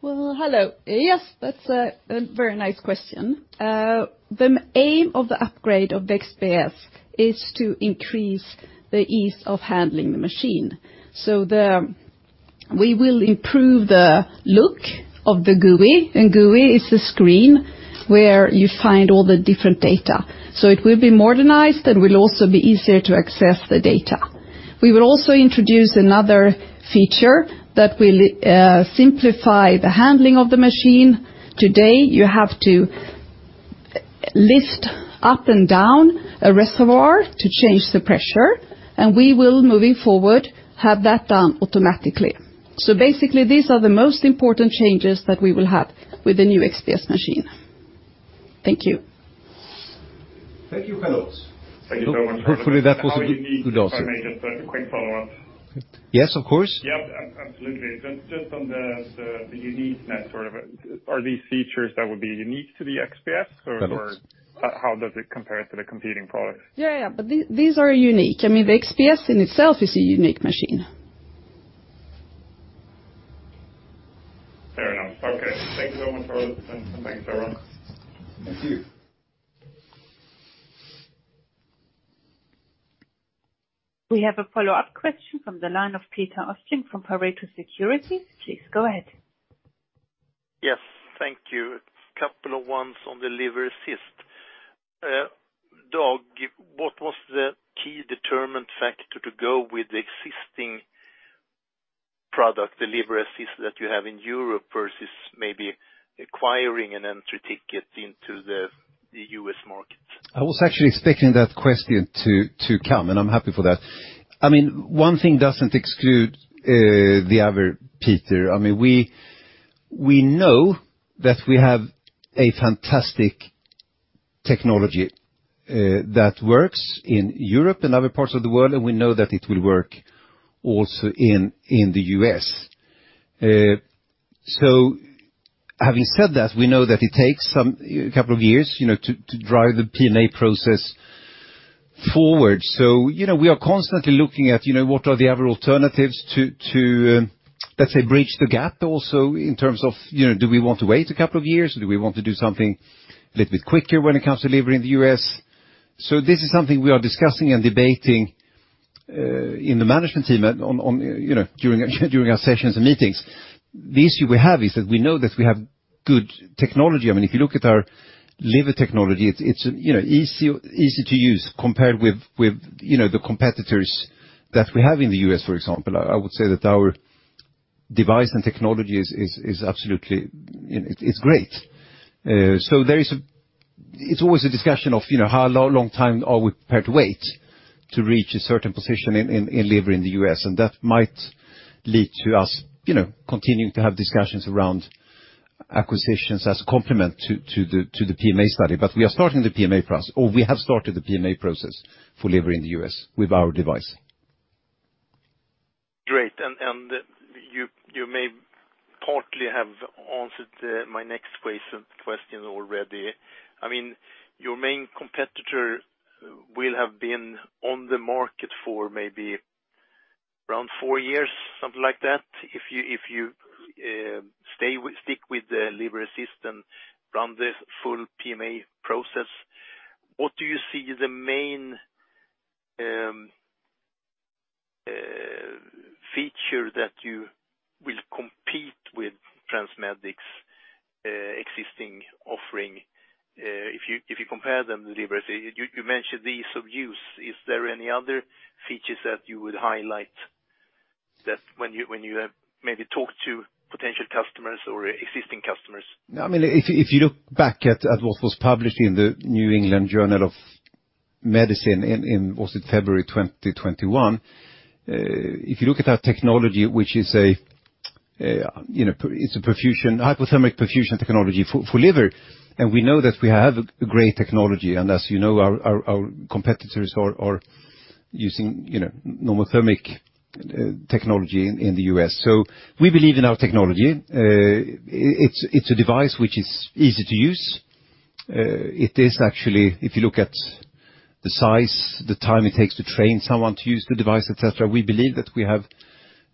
Well, hello. Yes, that's a very nice question. The aim of the upgrade of the XPS is to increase the ease of handling the machine. We will improve the look of the GUI. GUI is the screen where you find all the different data. It will be modernized, and will also be easier to access the data. We will also introduce another feature that will simplify the handling of the machine. Today, you have to lift up and down a reservoir to change the pressure, and we will, moving forward, have that done automatically. Basically these are the most important changes that we will have with the new XPS machine. Thank you. Thank you, Charlotte. Thank you so much. Hopefully that was a good answer. If I may just a quick follow-up. Yes, of course. Yeah, absolutely. Just on the uniqueness sort of. Are these features that would be unique to the XPS or- That is. How does it compare to the competing products? Yeah, yeah. These are unique. I mean, the XPS in itself is a unique machine. Fair enough. Okay. Thank you so much for Yeah. Thank you, everyone. Thank you. We have a follow-up question from the line of Peter Östling from Pareto Securities. Please go ahead. Yes, thank you. A couple of questions on the Liver Assist. Dag, what was the key determinant factor to go with the existing product, the Liver Assist that you have in Europe versus maybe acquiring an entry ticket into the U.S. market? I was actually expecting that question to come, and I'm happy for that. I mean, one thing doesn't exclude the other, Peter. I mean, we know that we have a fantastic technology that works in Europe and other parts of the world, and we know that it will work also in the U.S. Having said that, we know that it takes a couple of years to drive the PMA process forward. We are constantly looking at what are the other alternatives to let's say bridge the gap also in terms of do we want to wait a couple of years or do we want to do something a little bit quicker when it comes to delivering the U.S.? This is something we are discussing and debating in the management team,, during our sessions and meetings. The issue we have is that we know that we have good technology. I mean, if you look at our liver technology, it's,, easy to use compared with,, the competitors that we have in the U.S., for example. I would say that our device and technology is absolutely, it's great. It's always a discussion of,, how long time are we prepared to wait to reach a certain position in liver in the U.S., and that might lead to us,, continuing to have discussions around acquisitions as complement to the PMA study. We are starting the PMA process, or we have started the PMA process for liver in the U.S. with our device. Great. You may partly have answered my next question already. I mean, your main competitor will have been on the market for maybe around four years, something like that. If you stay with, stick with the Liver Assist and run the full PMA process, what do you see the main feature that you will compete with TransMedics existing offering, if you compare them deliberately. You mentioned the ease of use. Is there any other features that you would highlight that when you maybe talk to potential customers or existing customers? I mean, if you look back at what was published in the New England Journal of Medicine in, was it February 2021. If you look at our technology, which is, , it's a perfusion, hypothermic perfusion technology for liver, and we know that we have a great technology. As, our competitors are using,, normothermic technology in the U.S. We believe in our technology. It's a device which is easy to use. It is actually, if you look at the size, the time it takes to train someone to use the device, et cetera, we believe that we have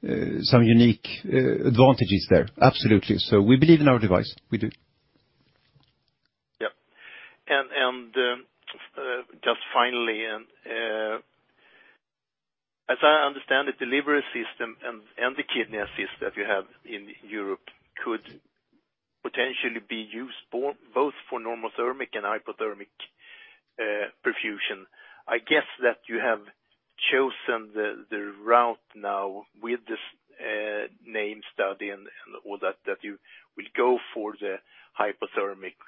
some unique advantages there, absolutely. We believe in our device. We do. Just finally, as I understand it, the Liver Assist and the Kidney Assist that you have in Europe could potentially be used both for normothermic and hypothermic perfusion. I guess that you have chosen the route now with this NMP study and all that you will go for the hypothermic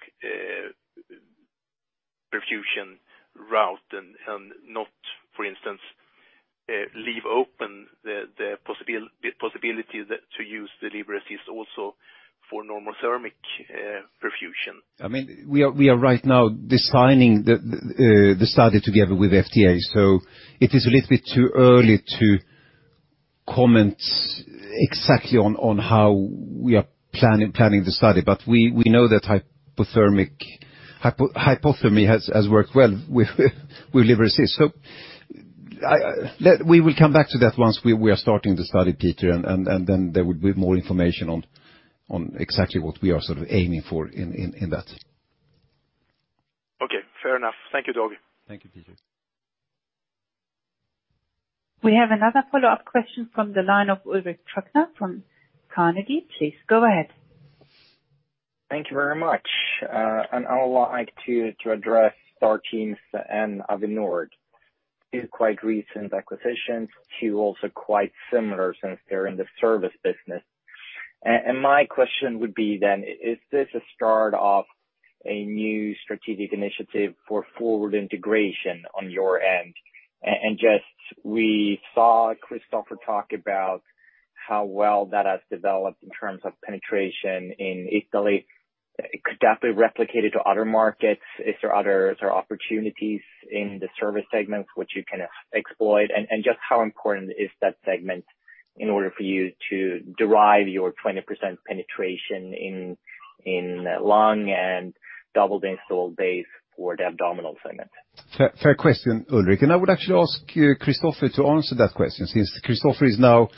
perfusion route and not, for instance, leave open the possibility to use the Liver Assist also for normothermic perfusion. I mean, we are right now designing the study together with FDA, so it is a little bit too early to comment exactly on how we are planning the study. We know that hypothermia has worked well with Liver Assist. We will come back to that once we are starting the study, Peter, and then there will be more information on exactly what we are sort of aiming for in that. Okay, fair enough. Thank you, Dag. Thank you, Peter. We have another follow-up question from the line of Ulrik Trattner from Carnegie. Please go ahead. Thank you very much. I would like to address STAR Teams and Avionord. These quite recent acquisitions seem also quite similar since they're in the service business. My question would be then, is this a start of a new strategic initiative for forward integration on your end? Just, we saw Christopher talk about how well that has developed in terms of penetration in Italy. Could that be replicated to other markets? Is there other opportunities in the service segments which you can exploit? Just how important is that segment in order for you to derive your 20% penetration in lung and double the installed base for the abdominal segment? Fair question, Ulrik. I would actually ask Christoffer to answer that question since Christoffer is now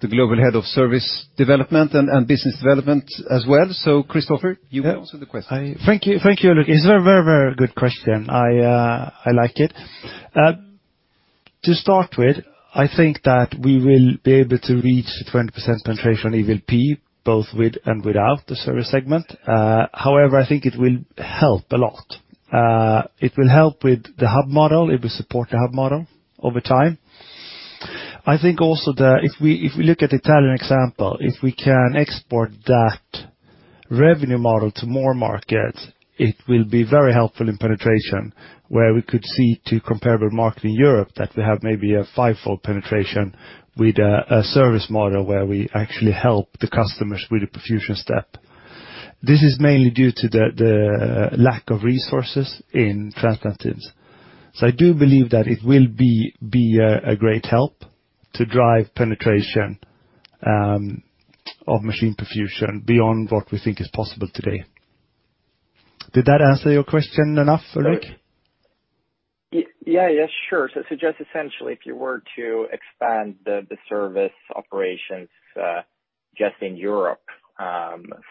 the global head of service development and business development as well. Christoffer, you may answer the question. Thank you. Thank you, Ulrik. It's a very, very good question. I like it. To start with, I think that we will be able to reach the 20% penetration EVLP both with and without the service segment. However, I think it will help a lot. It will help with the hub model. It will support the hub model over time. I think also that if we look at the Italian example, if we can export that revenue model to more markets, it will be very helpful in penetration, where we could see to comparable market in Europe that we have maybe a five-fold penetration with a service model where we actually help the customers with the perfusion step. This is mainly due to the lack of resources in transplant teams. I do believe that it will be a great help to drive penetration of machine perfusion beyond what we think is possible today. Did that answer your question enough, Ulrik? Yeah, sure. Just essentially, if you were to expand the service operations just in Europe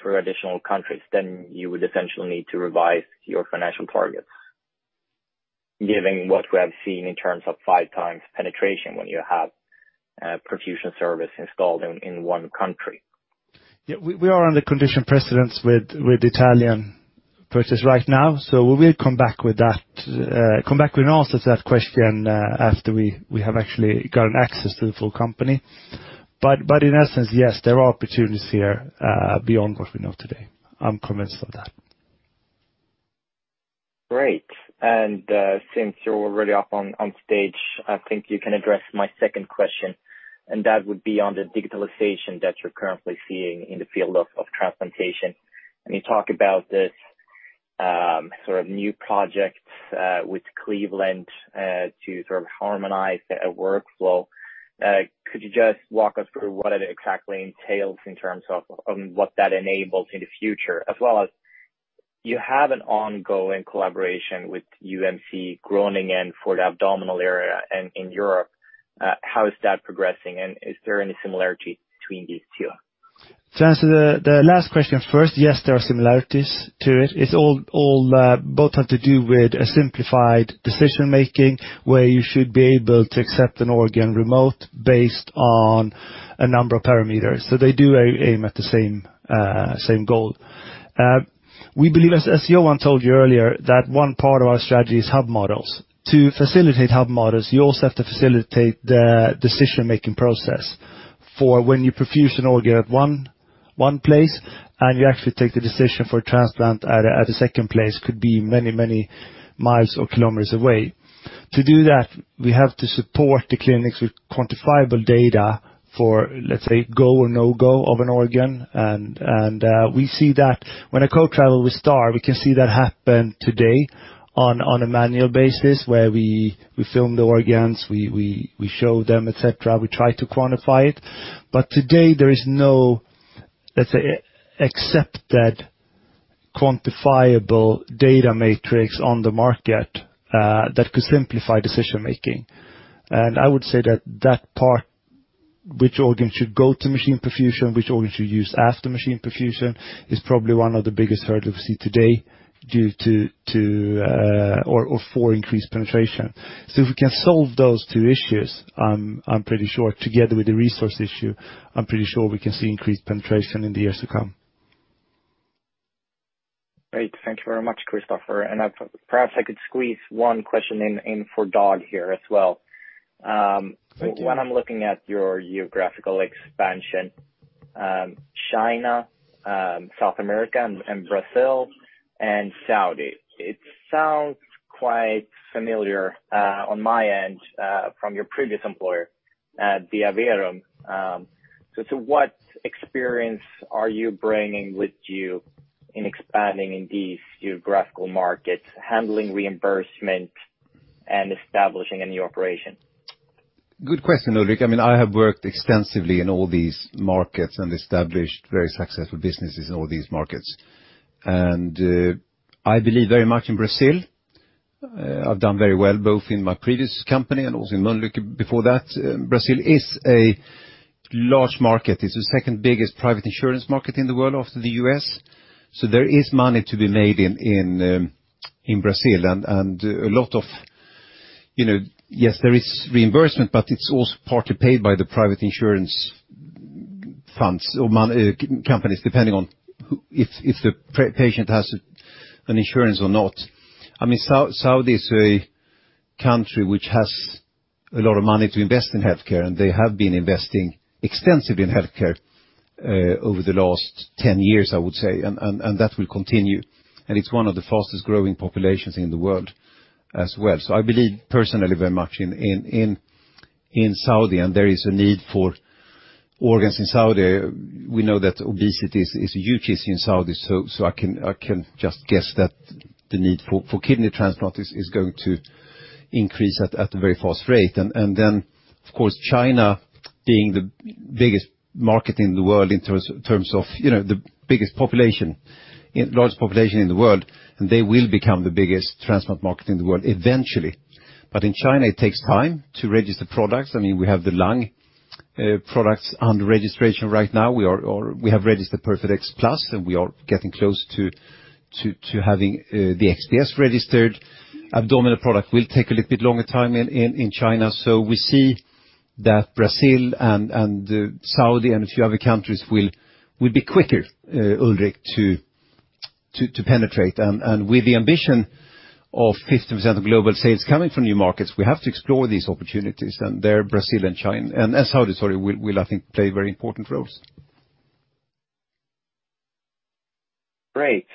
through additional countries, then you would essentially need to revise your financial targets, given what we have seen in terms of five times penetration when you have a perfusion service installed in one country. Yeah, we are under conditions precedent with Italian purchase right now. We will come back with an answer to that question after we have actually gotten access to the full company. In essence, yes, there are opportunities here beyond what we know today. I'm convinced of that. Great. Since you're already up on stage, I think you can address my second question, and that would be on the digitalization that you're currently seeing in the field of transplantation. Can you talk about this sort of new projects with Cleveland Clinic to sort of harmonize the workflow. Could you just walk us through what it exactly entails in terms of what that enables in the future, as well as you have an ongoing collaboration with UMC Groningen for the abdominal area and in Europe, how is that progressing and is there any similarity between these two? To answer the last question first, yes, there are similarities to it. It's all both have to do with a simplified decision-making where you should be able to accept an organ remotely based on a number of parameters. So they do aim at the same goal. We believe, as Johan told you earlier, that one part of our strategy is hub models. To facilitate hub models, you also have to facilitate the decision-making process for when you perfuse an organ at one place and you actually take the decision for transplant at a second place, could be many miles or kilometers away. To do that, we have to support the clinics with quantifiable data for, let's say, go or no-go of an organ and we see that. When we co-travel with STAR, we can see that happen today on a manual basis where we film the organs, we show them, et cetera. We try to quantify it. Today there is no, let's say, accepted quantifiable data matrix on the market that could simplify decision-making. I would say that part, which organ should go to machine perfusion, which organ should use after machine perfusion, is probably one of the biggest hurdle we see today due to or for increased penetration. If we can solve those two issues, I'm pretty sure together with the resource issue, I'm pretty sure we can see increased penetration in the years to come. Great. Thank you very much, Christoffer. Perhaps I could squeeze one question in for Dag here as well. Thank you. When I'm looking at your geographical expansion, China, South America and Brazil and Saudi, it sounds quite familiar on my end from your previous employer at Vitrolife. What experience are you bringing with you in expanding in these geographical markets, handling reimbursement and establishing a new operation? Good question, Ulrik. I mean, I have worked extensively in all these markets and established very successful businesses in all these markets. I believe very much in Brazil. I've done very well both in my previous company and also in Lundbeck before that. Brazil is a large market. It's the second biggest private insurance market in the world after the U.S. There is money to be made in Brazil., yes, there is reimbursement, but it's also partly paid by the private insurance funds or companies, depending on who, if the patient has an insurance or not. I mean, Saudi is a country which has a lot of money to invest in healthcare, and they have been investing extensively in healthcare over the last ten years, I would say. That will continue. It's one of the fastest-growing populations in the world as well. I believe personally very much in Saudi, and there is a need for organs in Saudi. We know that obesity is a huge issue in Saudi, so I can just guess that the need for kidney transplant is going to increase at a very fast rate. Then, of course, China being the biggest market in the world in terms of,, the biggest population, largest population in the world, and they will become the biggest transplant market in the world eventually. In China, it takes time to register products. I mean, we have the lung products under registration right now. We have registered PERFADEX Plus, and we are getting close to having the XPS registered. Abdominal product will take a little bit longer time in China. We see that Brazil and Saudi and a few other countries will be quicker, Ulrik, to penetrate. With the ambition of 50% of global sales coming from new markets, we have to explore these opportunities, and they're Brazil and China, and Saudi, sorry, will, I think, play very important roles. Great.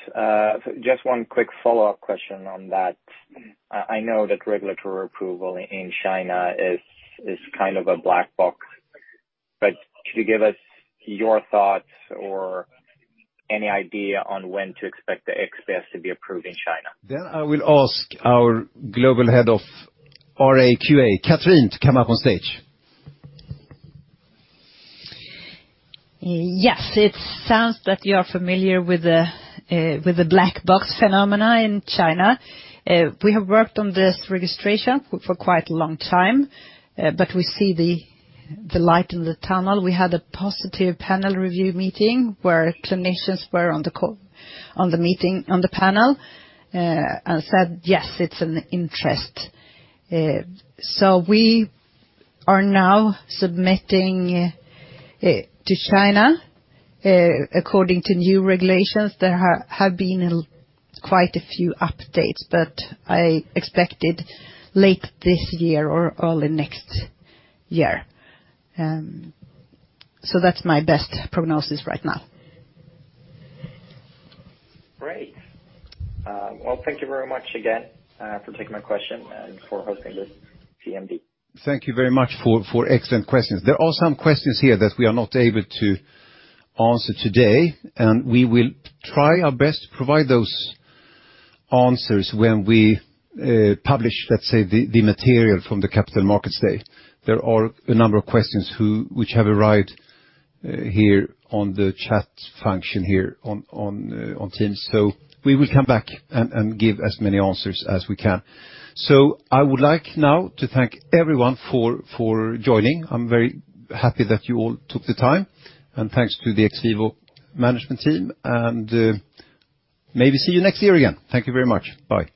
Just one quick follow-up question on that. I know that regulatory approval in China is kind of a black box, but could you give us your thoughts or any idea on when to expect the XPS to be approved in China? I will ask our global head of RAQA, Katrin, to come up on stage. Yes. It sounds that you are familiar with the black box phenomena in China. We have worked on this registration for quite a long time, but we see the light in the tunnel. We had a positive panel review meeting where clinicians were on the call, on the meeting, on the panel, and said, "Yes, it's an interest." We are now submitting to China according to new regulations. There have been quite a few updates, but I expect late this year or early next year. That's my best prognosis right now. Great. Well, thank you very much again for taking my question and for hosting this CMD. Thank you very much for excellent questions. There are some questions here that we are not able to answer today, and we will try our best to provide those answers when we publish, let's say, the material from the Capital Markets Day. There are a number of questions which have arrived here on the chat function here on Teams. We will come back and give as many answers as we can. I would like now to thank everyone for joining. I'm very happy that you all took the time. Thanks to the XVIVO management team. Maybe see you next year again. Thank you very much. Bye.